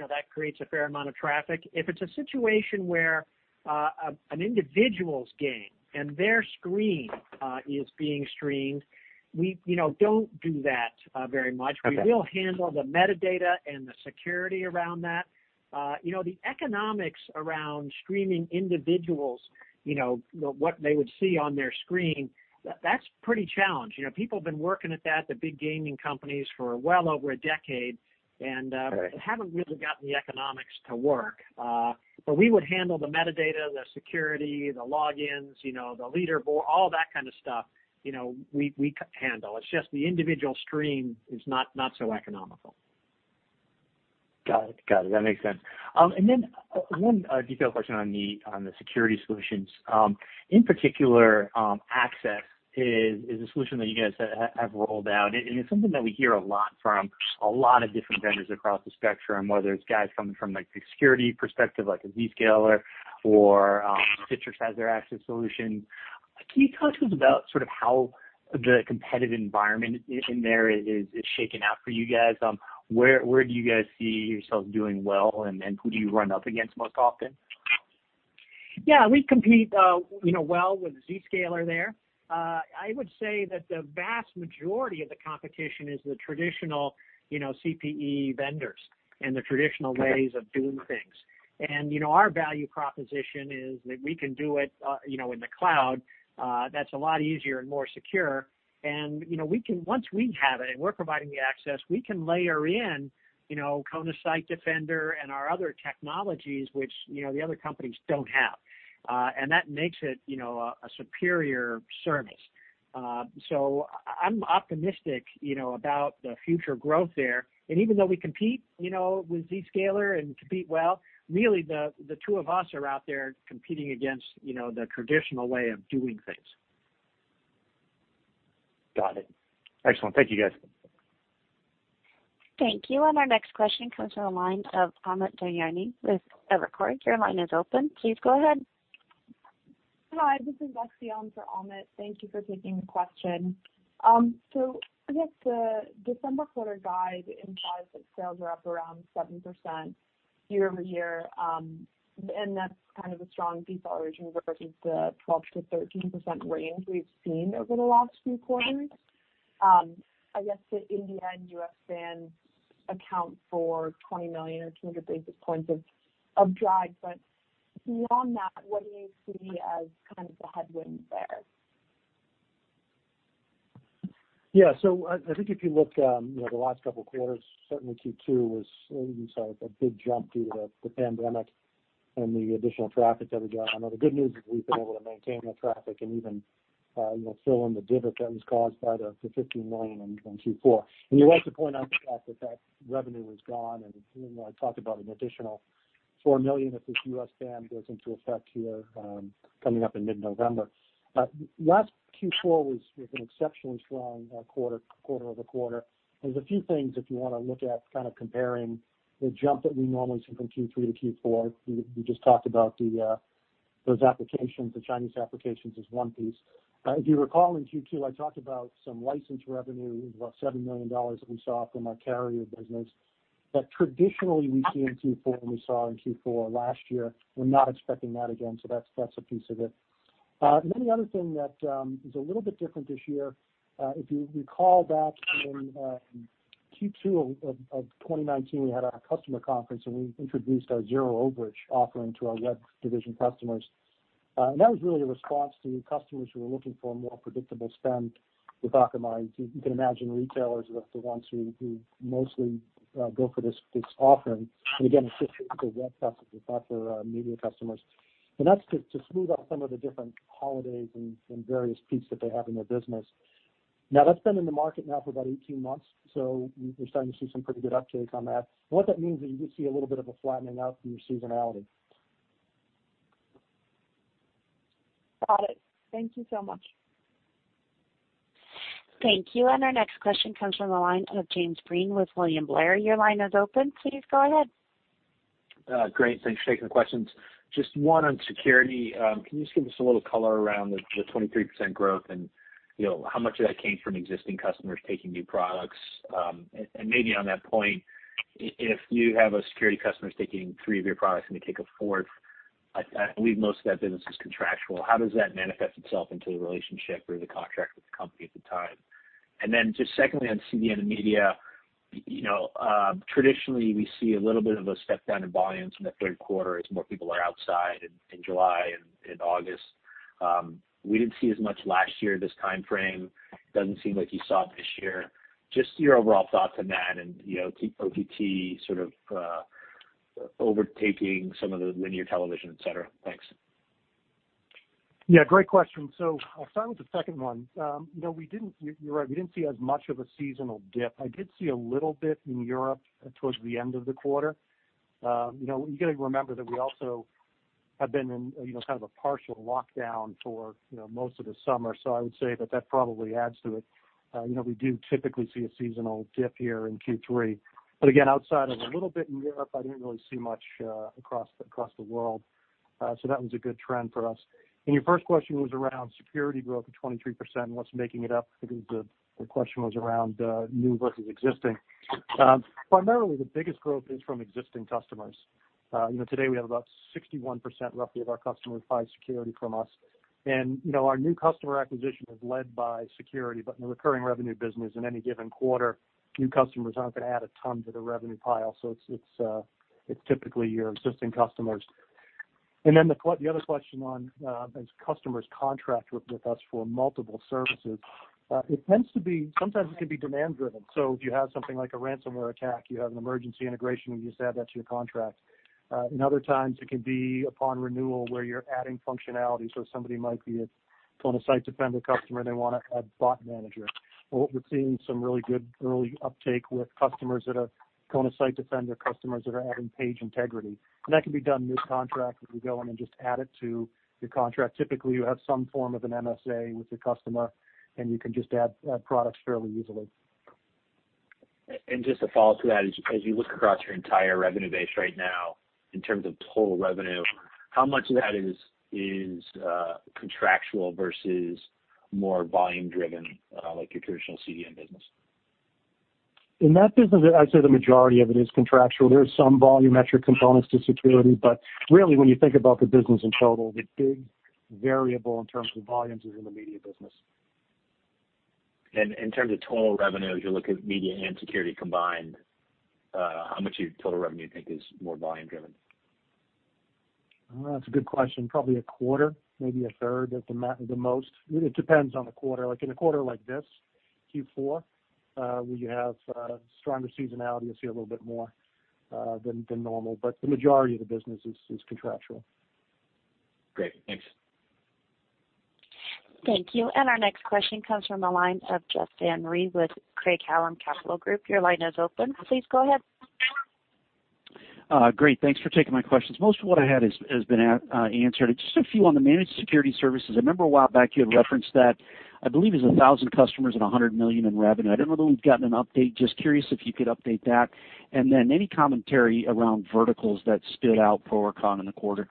That creates a fair amount of traffic. If it's a situation where an individual's game and their screen is being streamed, we don't do that very much. Okay. We will handle the metadata and the security around that. The economics around streaming individuals, what they would see on their screen, that's pretty challenged. People have been working at that, the big gaming companies, for well over a decade. Right haven't really gotten the economics to work. We would handle the metadata, the security, the logins, the leaderboard, all that kind of stuff, we could handle. It's just the individual stream is not so economical. Got it. That makes sense. Then one detailed question on the security solutions. In particular, access is a solution that you guys have rolled out, and it's something that we hear a lot from a lot of different vendors across the spectrum, whether it's guys coming from the security perspective, like a Zscaler, or Citrix has their access solution. Can you talk to us about sort of how the competitive environment in there is shaking out for you guys? Where do you guys see yourselves doing well, and who do you run up against most often? Yeah. We compete well with Zscaler there. I would say that the vast majority of the competition is the traditional CPE vendors and the traditional ways. Okay of doing things. Our value proposition is that we can do it in the cloud. That's a lot easier and more secure. Once we have it and we're providing the access, we can layer in Kona Site Defender and our other technologies, which the other companies don't have. That makes it a superior service. I'm optimistic about the future growth there. Even though we compete with Zscaler and compete well, really the two of us are out there competing against the traditional way of doing things. Got it. Excellent. Thank you, guys. Thank you. Our next question comes from the line of Amit Daryanani with Evercore. Your line is open. Please go ahead. Hi. This is Lexi on for Amit. Thank you for taking the question. I guess the December quarter guide implies that sales are up around 7% year-over-year, and that's kind of a strong deceleration versus the 12%-13% range we've seen over the last few quarters. I guess the India and U.S. ban account for $20 million or 200 basis points of drag. Beyond that, what do you see as kind of the headwind there? I think if you look, the last couple of quarters, certainly Q2 was a big jump due to the pandemic and the additional traffic that we got. The good news is we've been able to maintain that traffic and even fill in the divot that was caused by the $15 million in Q4. You're right to point out the fact that that revenue is gone, and even though I talked about an additional $4 million, if this U.S. ban goes into effect here, coming up in mid-November. Last Q4 was an exceptionally strong quarter-over-quarter. There's a few things, if you want to look at kind of comparing the jump that we normally see from Q3 to Q4. We just talked about those applications, the Chinese applications is one piece. If you recall, in Q2, I talked about some license revenue, it was about $7 million that we saw from our carrier business. Traditionally, we see in Q4 what we saw in Q4 last year. We're not expecting that again. That's a piece of it. The other thing that is a little bit different this year, if you recall back in Q2 of 2019, we had our customer conference, and we introduced our zero overage offering to our web division customers. That was really a response to customers who were looking for a more predictable spend with Akamai. You can imagine retailers are the ones who mostly go for this offering. Again, it's just for web customers, it's not for our media customers. That's to smooth out some of the different holidays and various peaks that they have in their business. That's been in the market now for about 18 months, so we're starting to see some pretty good uptake on that. What that means is you do see a little bit of a flattening out from your seasonality. Got it. Thank you so much. Thank you. Our next question comes from the line of James Breen with William Blair. Your line is open. Please go ahead. Great. Thanks for taking the questions. Just one on security. Can you just give us a little color around the 23% growth and how much of that came from existing customers taking new products? Maybe on that point, if you have a security customer that's taking three of your products and they take a fourth, I believe most of that business is contractual. How does that manifest itself into the relationship or the contract with the company at the time? Then just secondly, on CDN and media, traditionally, we see a little bit of a step down in volumes in the third quarter as more people are outside in July and August. We didn't see as much last year this timeframe. Doesn't seem like you saw it this year. Just your overall thoughts on that and OTT sort of overtaking some of the linear television, et cetera. Thanks. Yeah, great question. I'll start with the second one. You're right, we didn't see as much of a seasonal dip. I did see a little bit in Europe towards the end of the quarter. You got to remember that we also have been in kind of a partial lockdown for most of the summer. I would say that that probably adds to it. We do typically see a seasonal dip here in Q3. Again, outside of a little bit in Europe, I didn't really see much across the world. That one's a good trend for us. Your first question was around security growth of 23% and what's making it up. I think the question was around new versus existing. Primarily, the biggest growth is from existing customers. Today, we have about 61%, roughly, of our customers buy security from us. Our new customer acquisition is led by security, but in the recurring revenue business, in any given quarter, new customers aren't going to add a ton to the revenue pile. It's typically your existing customers. Then the other question on, as customers contract with us for multiple services, sometimes it can be demand-driven. If you have something like a ransomware attack, you have an emergency integration, and you just add that to your contract. In other times, it can be upon renewal where you're adding functionality. Somebody might be a Kona Site Defender customer, and they want to add Bot Manager. We're seeing some really good early uptake with Kona Site Defender customers that are adding Page Integrity. That can be done mid-contract, where we go in and just add it to your contract. Typically, you have some form of an MSA with your customer, and you can just add products fairly easily. just a follow to that, as you look across your entire revenue base right now, in terms of total revenue, how much of that is contractual versus more volume-driven, like your traditional CDN business? In that business, I'd say the majority of it is contractual. There are some volumetric components to security. Really, when you think about the business in total, the big variable in terms of volumes is in the media business. In terms of total revenue, as you look at media and security combined, how much of your total revenue you think is more volume-driven? That's a good question. Probably a quarter, maybe a third at the most. It depends on the quarter. Like in a quarter like this, Q4, where you have stronger seasonality, you'll see a little bit more than normal. The majority of the business is contractual. Great. Thanks. Thank you. Our next question comes from the line of Justin Reid with Craig-Hallum Capital Group. Your line is open. Please go ahead. Great. Thanks for taking my questions. Most of what I had has been answered. Just a few on the managed security services. I remember a while back you had referenced that, I believe it was 1,000 customers and $100 million in revenue. I don't know that we've gotten an update. Just curious if you could update that. Any commentary around verticals that stood out, pro or con, in the quarter?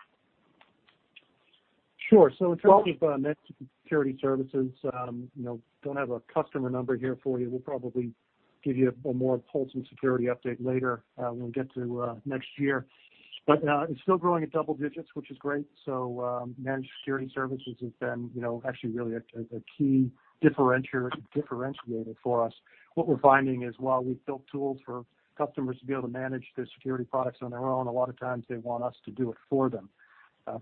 Sure. In terms of managed security services, don't have a customer number here for you. We'll probably give you a more wholesome security update later when we get to next year. It's still growing at double digits, which is great. Managed security services has been actually really a key differentiator for us. What we're finding is while we've built tools for customers to be able to manage their security products on their own, a lot of times they want us to do it for them.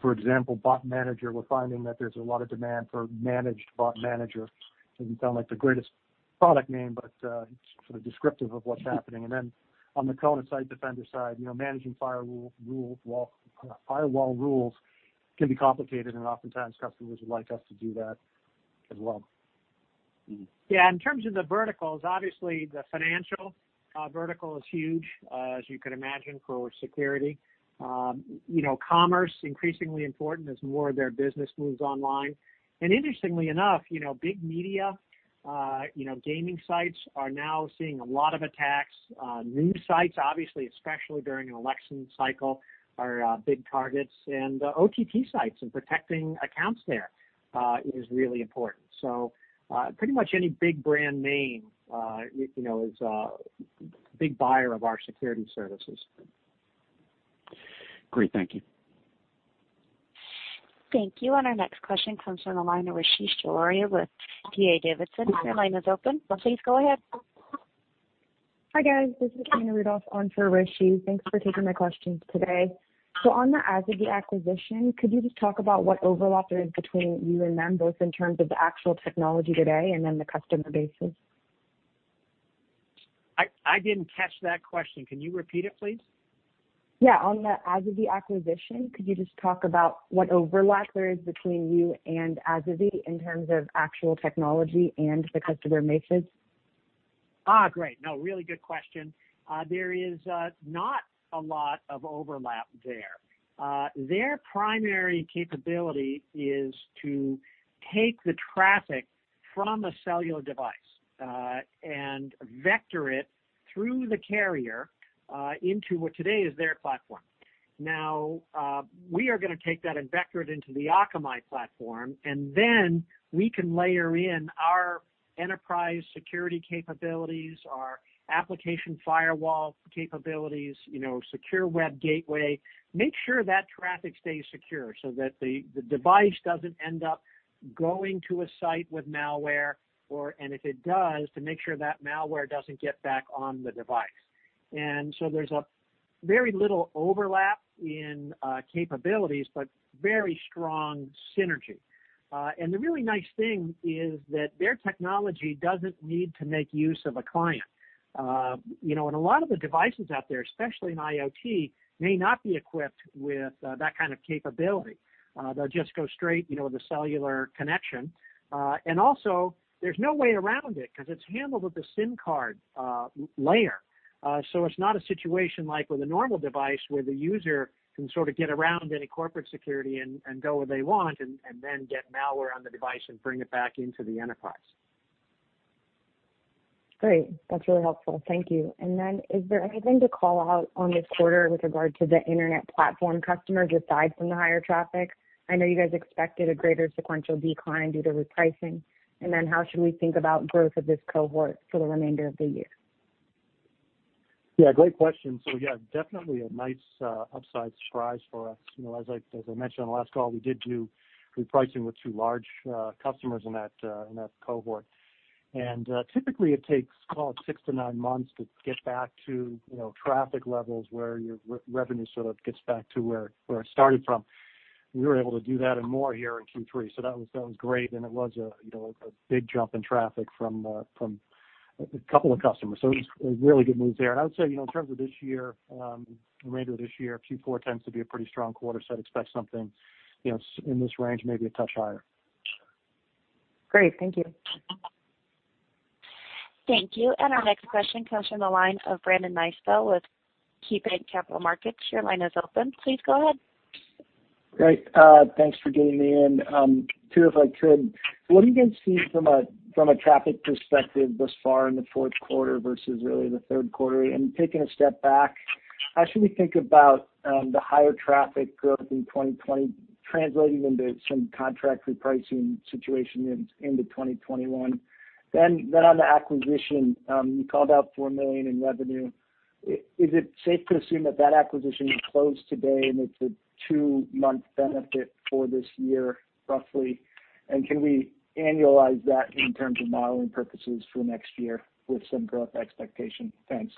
For example, Bot Manager, we're finding that there's a lot of demand for managed Bot Manager. Doesn't sound like the greatest product name, but it's sort of descriptive of what's happening. On the Kona Site Defender side, managing firewall rules can be complicated, and oftentimes customers would like us to do that as well. Yeah, in terms of the verticals, obviously the financial vertical is huge, as you could imagine, for security. Commerce, increasingly important as more of their business moves online. Interestingly enough, big media, gaming sites are now seeing a lot of attacks. News sites, obviously, especially during an election cycle, are big targets. OTT sites and protecting accounts there, is really important. Pretty much any big brand name is a big buyer of our security services. Great. Thank you. Thank you. Our next question comes from the line of Rishi Jaluria with D.A. Davidson. Your line is open. Please go ahead. Hi, guys. This is Karina Rudolph on for Rishi. Thanks for taking my questions today. On the Asavie acquisition, could you just talk about what overlap there is between you and them, both in terms of the actual technology today and then the customer bases? I didn't catch that question. Can you repeat it, please? Yeah, on the Asavie acquisition, could you just talk about what overlap there is between you and Asavie in terms of actual technology and the customer bases? Great. No, really good question. There is not a lot of overlap there. Their primary capability is to take the traffic from a cellular device, and vector it through the carrier, into what today is their platform. Now, we are going to take that and vector it into the Akamai platform, and then we can layer in our enterprise security capabilities, our application firewall capabilities, secure web gateway. Make sure that traffic stays secure so that the device doesn't end up going to a site with malware, and if it does, to make sure that malware doesn't get back on the device. There's very little overlap in capabilities, but very strong synergy. The really nice thing is that their technology doesn't need to make use of a client. A lot of the devices out there, especially in IoT, may not be equipped with that kind of capability. They'll just go straight into the cellular connection. Also, there's no way around it because it's handled at the SIM card layer. It's not a situation like with a normal device where the user can sort of get around any corporate security and go where they want and then get malware on the device and bring it back into the enterprise. Great. That's really helpful. Thank you. Is there anything to call out on this quarter with regard to the internet platform customers aside from the higher traffic? I know you guys expected a greater sequential decline due to repricing. How should we think about growth of this cohort for the remainder of the year? Yeah, great question. Yeah, definitely a nice upside surprise for us. As I mentioned on the last call, we did do repricing with two large customers in that cohort. Typically it takes, call it six to nine months to get back to traffic levels where your revenue sort of gets back to where it started from. We were able to do that and more here in Q3, so that was great, and it was a big jump in traffic from a couple of customers. It was really good news there. I would say, in terms of this year, the remainder of this year, Q4 tends to be a pretty strong quarter, so I'd expect something in this range, maybe a touch higher. Great. Thank you. Thank you. Our next question comes from the line of Brandon Nispel with KeyBanc Capital Markets. Your line is open. Please go ahead. Thanks for getting me in. Two, if I could. What are you guys seeing from a traffic perspective thus far in the fourth quarter versus really the third quarter? Taking a step back, how should we think about the higher traffic growth in 2020 translating into some contract repricing situation into 2021? On the acquisition, you called out $4 million in revenue. Is it safe to assume that that acquisition is closed today and it's a two-month benefit for this year, roughly? Can we annualize that in terms of modeling purposes for next year with some growth expectation? Thanks.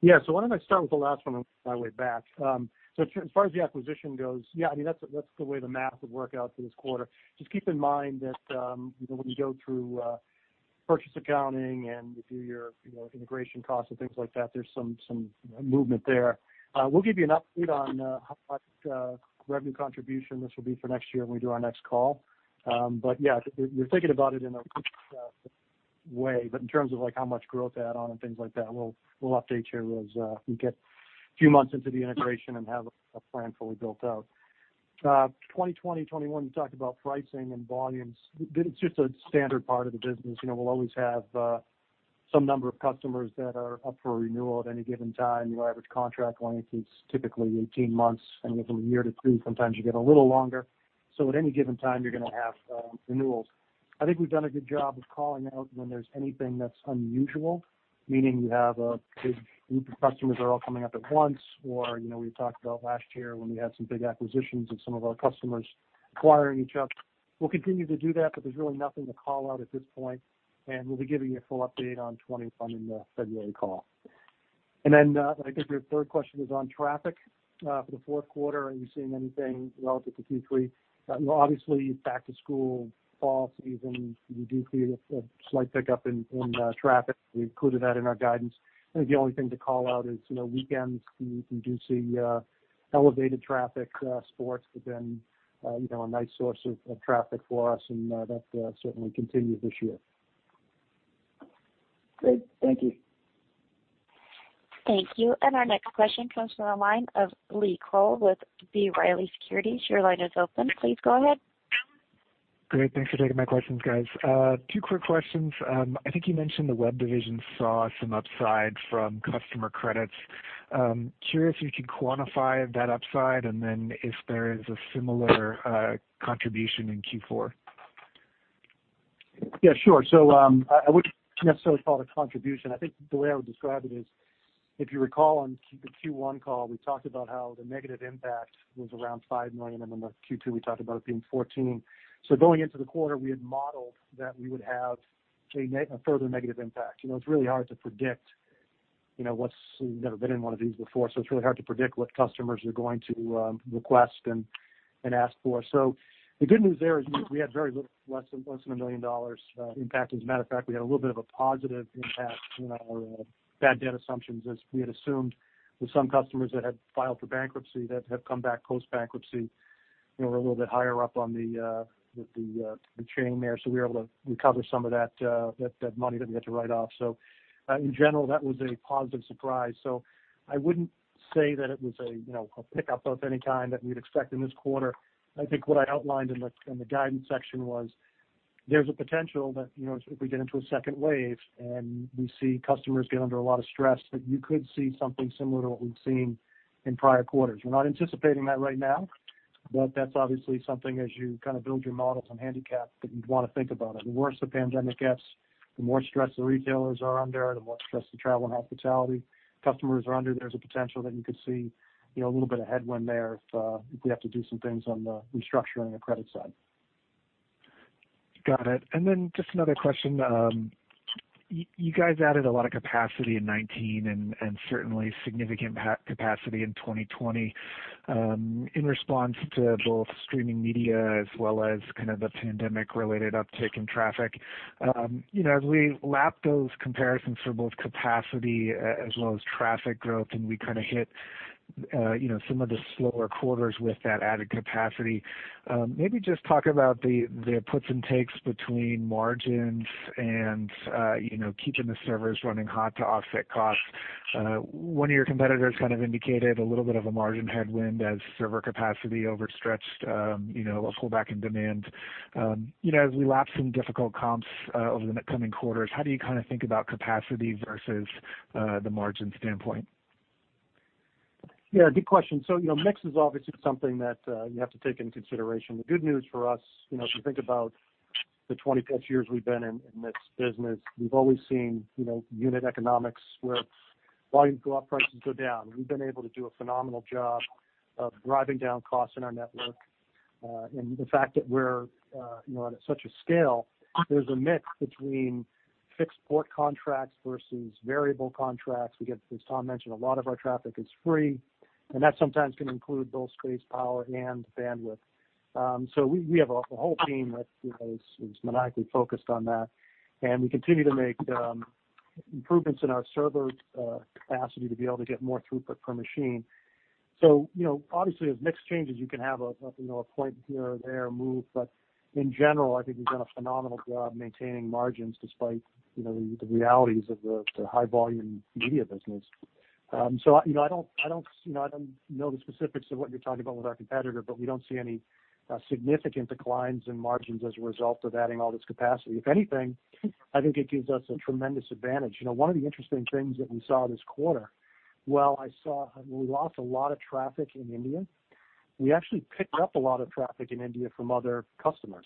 Yeah. Why don't I start with the last one and work my way back. As far as the acquisition goes, yeah, that's the way the math would work out for this quarter. Just keep in mind that when you go through purchase accounting and you do your integration costs and things like that, there's some movement there. We'll give you an update on how much revenue contribution this will be for next year when we do our next call. But yeah, you're thinking about it in a good way, but in terms of how much growth to add on and things like that, we'll update you as we get a few months into the integration and have a plan fully built out. 2020, 2021, you talked about pricing and volumes. It's just a standard part of the business. We'll always have some number of customers that are up for renewal at any given time. Your average contract length is typically 18 months, anywhere from a year to three. Sometimes you get a little longer. At any given time, you're going to have renewals. I think we've done a good job of calling out when there's anything that's unusual, meaning you have a big group of customers that are all coming up at once, or we've talked about last year when we had some big acquisitions of some of our customers acquiring each other. We'll continue to do that, but there's really nothing to call out at this point, and we'll be giving you a full update on 2020 in the February call. I think your third question was on traffic for the fourth quarter. Are you seeing anything relative to Q3? Obviously, back to school, fall season, we do see a slight pickup in traffic. We included that in our guidance. I think the only thing to call out is, weekends, we do see elevated traffic. Sports have been a nice source of traffic for us, and that certainly continued this year. Great. Thank you. Thank you. Our next question comes from the line of Lee Krowl with B. Riley Securities. Your line is open. Please go ahead. Great. Thanks for taking my questions, guys. Two quick questions. I think you mentioned the web division saw some upside from customer credits. Curious if you could quantify that upside and then if there is a similar contribution in Q4. Yeah, sure. I wouldn't necessarily call it a contribution. I think the way I would describe it is, if you recall on the Q1 call, we talked about how the negative impact was around $5 million, and then on Q2, we talked about it being $14 million. Going into the quarter, we had modeled that we would have a further negative impact. It's really hard to predict. We've never been in one of these before, it's really hard to predict what customers are going to request and ask for. The good news there is we had very little, less than a $1 million impact. As a matter of fact, we had a little bit of a positive impact in our bad debt assumptions, as we had assumed with some customers that had filed for bankruptcy that have come back post-bankruptcy, were a little bit higher up on the chain there. We were able to recover some of that money that we had to write off. In general, that was a positive surprise. I wouldn't say that it was a pickup of any kind that we'd expect in this quarter. I think what I outlined in the guidance section was there's a potential that, if we get into a second wave and we see customers get under a lot of stress, that you could see something similar to what we've seen in prior quarters. We're not anticipating that right now, but that's obviously something as you build your models and handicaps that you'd want to think about. The worse the pandemic gets, the more stress the retailers are under, the more stress the travel and hospitality customers are under. There's a potential that you could see a little bit of headwind there if we have to do some things on the restructuring the credit side. Got it. Then just another question. You guys added a lot of capacity in 2019 and certainly significant capacity in 2020 in response to both streaming media as well as kind of the pandemic-related uptick in traffic. As we lap those comparisons for both capacity as well as traffic growth, and we hit some of the slower quarters with that added capacity. Maybe just talk about the puts and takes between margins and keeping the servers running hot to offset costs. One of your competitors kind of indicated a little bit of a margin headwind as server capacity overstretched, will pull back in demand. As we lap some difficult comps over the coming quarters, how do you think about capacity versus the margin standpoint? Good question. Mix is obviously something that you have to take into consideration. The good news for us, if you think about the 20-plus years we've been in this business, we've always seen unit economics where volumes go up, prices go down. We've been able to do a phenomenal job of driving down costs in our network. The fact that we're at such a scale, there's a mix between fixed port contracts versus variable contracts. Again, as Tom mentioned, a lot of our traffic is free, and that sometimes can include both space, power, and bandwidth. We have a whole team that is maniacally focused on that, and we continue to make improvements in our server capacity to be able to get more throughput per machine. Obviously, as mix changes, you can have a point here or there move. In general, I think we've done a phenomenal job maintaining margins despite the realities of the high-volume media business. I don't know the specifics of what you're talking about with our competitor, but we don't see any significant declines in margins as a result of adding all this capacity. If anything, I think it gives us a tremendous advantage. One of the interesting things that we saw this quarter, while we lost a lot of traffic in India, we actually picked up a lot of traffic in India from other customers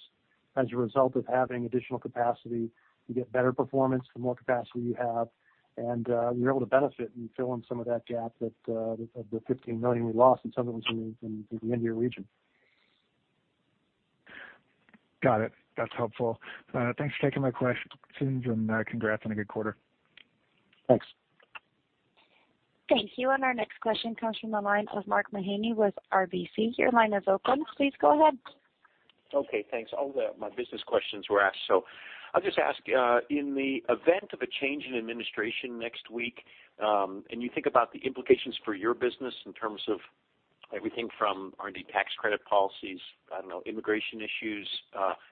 as a result of having additional capacity. You get better performance, the more capacity you have, and you're able to benefit and fill in some of that gap of the 15 million we lost, and some of it was in the India region. Got it. That's helpful. Thanks for taking my questions, and congrats on a good quarter. Thanks. Thank you. Our next question comes from the line of Mark Mahaney with RBC. Your line is open. Please go ahead. Okay, thanks. All my business questions were asked. I'll just ask, in the event of a change in administration next week, and you think about the implications for your business in terms of everything from R&D tax credit policies, I don't know, immigration issues,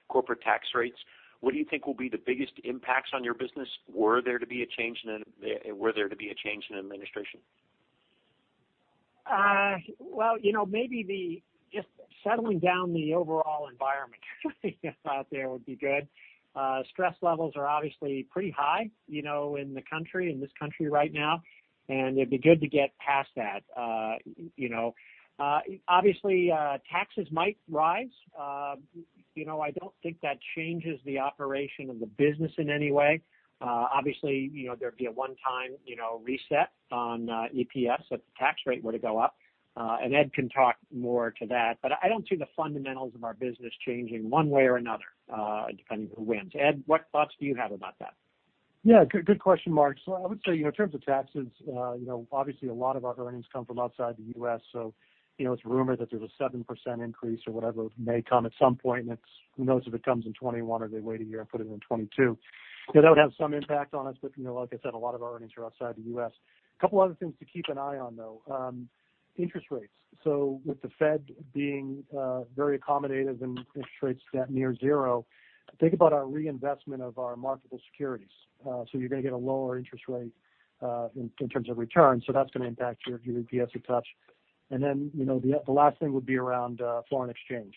corporate tax rates. What do you think will be the biggest impacts on your business were there to be a change in administration? Maybe just settling down the overall environment out there would be good. Stress levels are obviously pretty high in this country right now, and it'd be good to get past that. Obviously, taxes might rise. I don't think that changes the operation of the business in any way. Obviously, there'd be a one-time reset on EPS if the tax rate were to go up. Ed can talk more to that, but I don't see the fundamentals of our business changing one way or another, depending on who wins. Ed, what thoughts do you have about that? Good question, Mark. I would say, in terms of taxes, obviously a lot of our earnings come from outside the U.S., so it's rumored that there's a 7% increase or whatever may come at some point, and who knows if it comes in 2021 or they wait a year and put it in 2022. That would have some impact on us, but like I said, a lot of our earnings are outside the U.S. Couple other things to keep an eye on, though. Interest rates. With the Fed being very accommodative and interest rates near zero, think about our reinvestment of our marketable securities. You're going to get a lower interest rate in terms of return. The last thing would be around foreign exchange.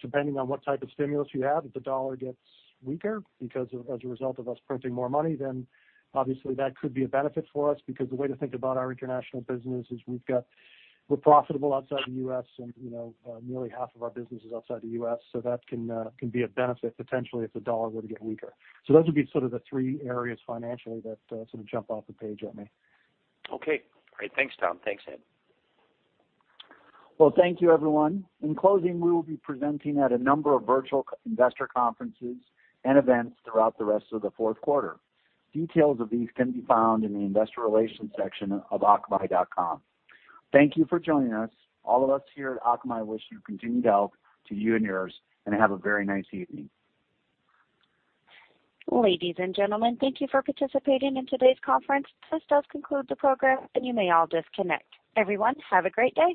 Depending on what type of stimulus you have, if the dollar gets weaker because as a result of us printing more money, then obviously that could be a benefit for us because the way to think about our international business is we're profitable outside the U.S. and nearly half of our business is outside the U.S., that can be a benefit potentially if the dollar were to get weaker. Those would be sort of the three areas financially that sort of jump off the page at me. Okay, great. Thanks, Tom. Thanks, Ed. Well, thank you everyone. In closing, we will be presenting at a number of virtual investor conferences and events throughout the rest of the fourth quarter. Details of these can be found in the investor relations section of akamai.com. Thank you for joining us. All of us here at Akamai wish you continued health to you and yours, and have a very nice evening. Ladies and gentlemen, thank you for participating in today's conference. This does conclude the program, and you may all disconnect. Everyone, have a great day.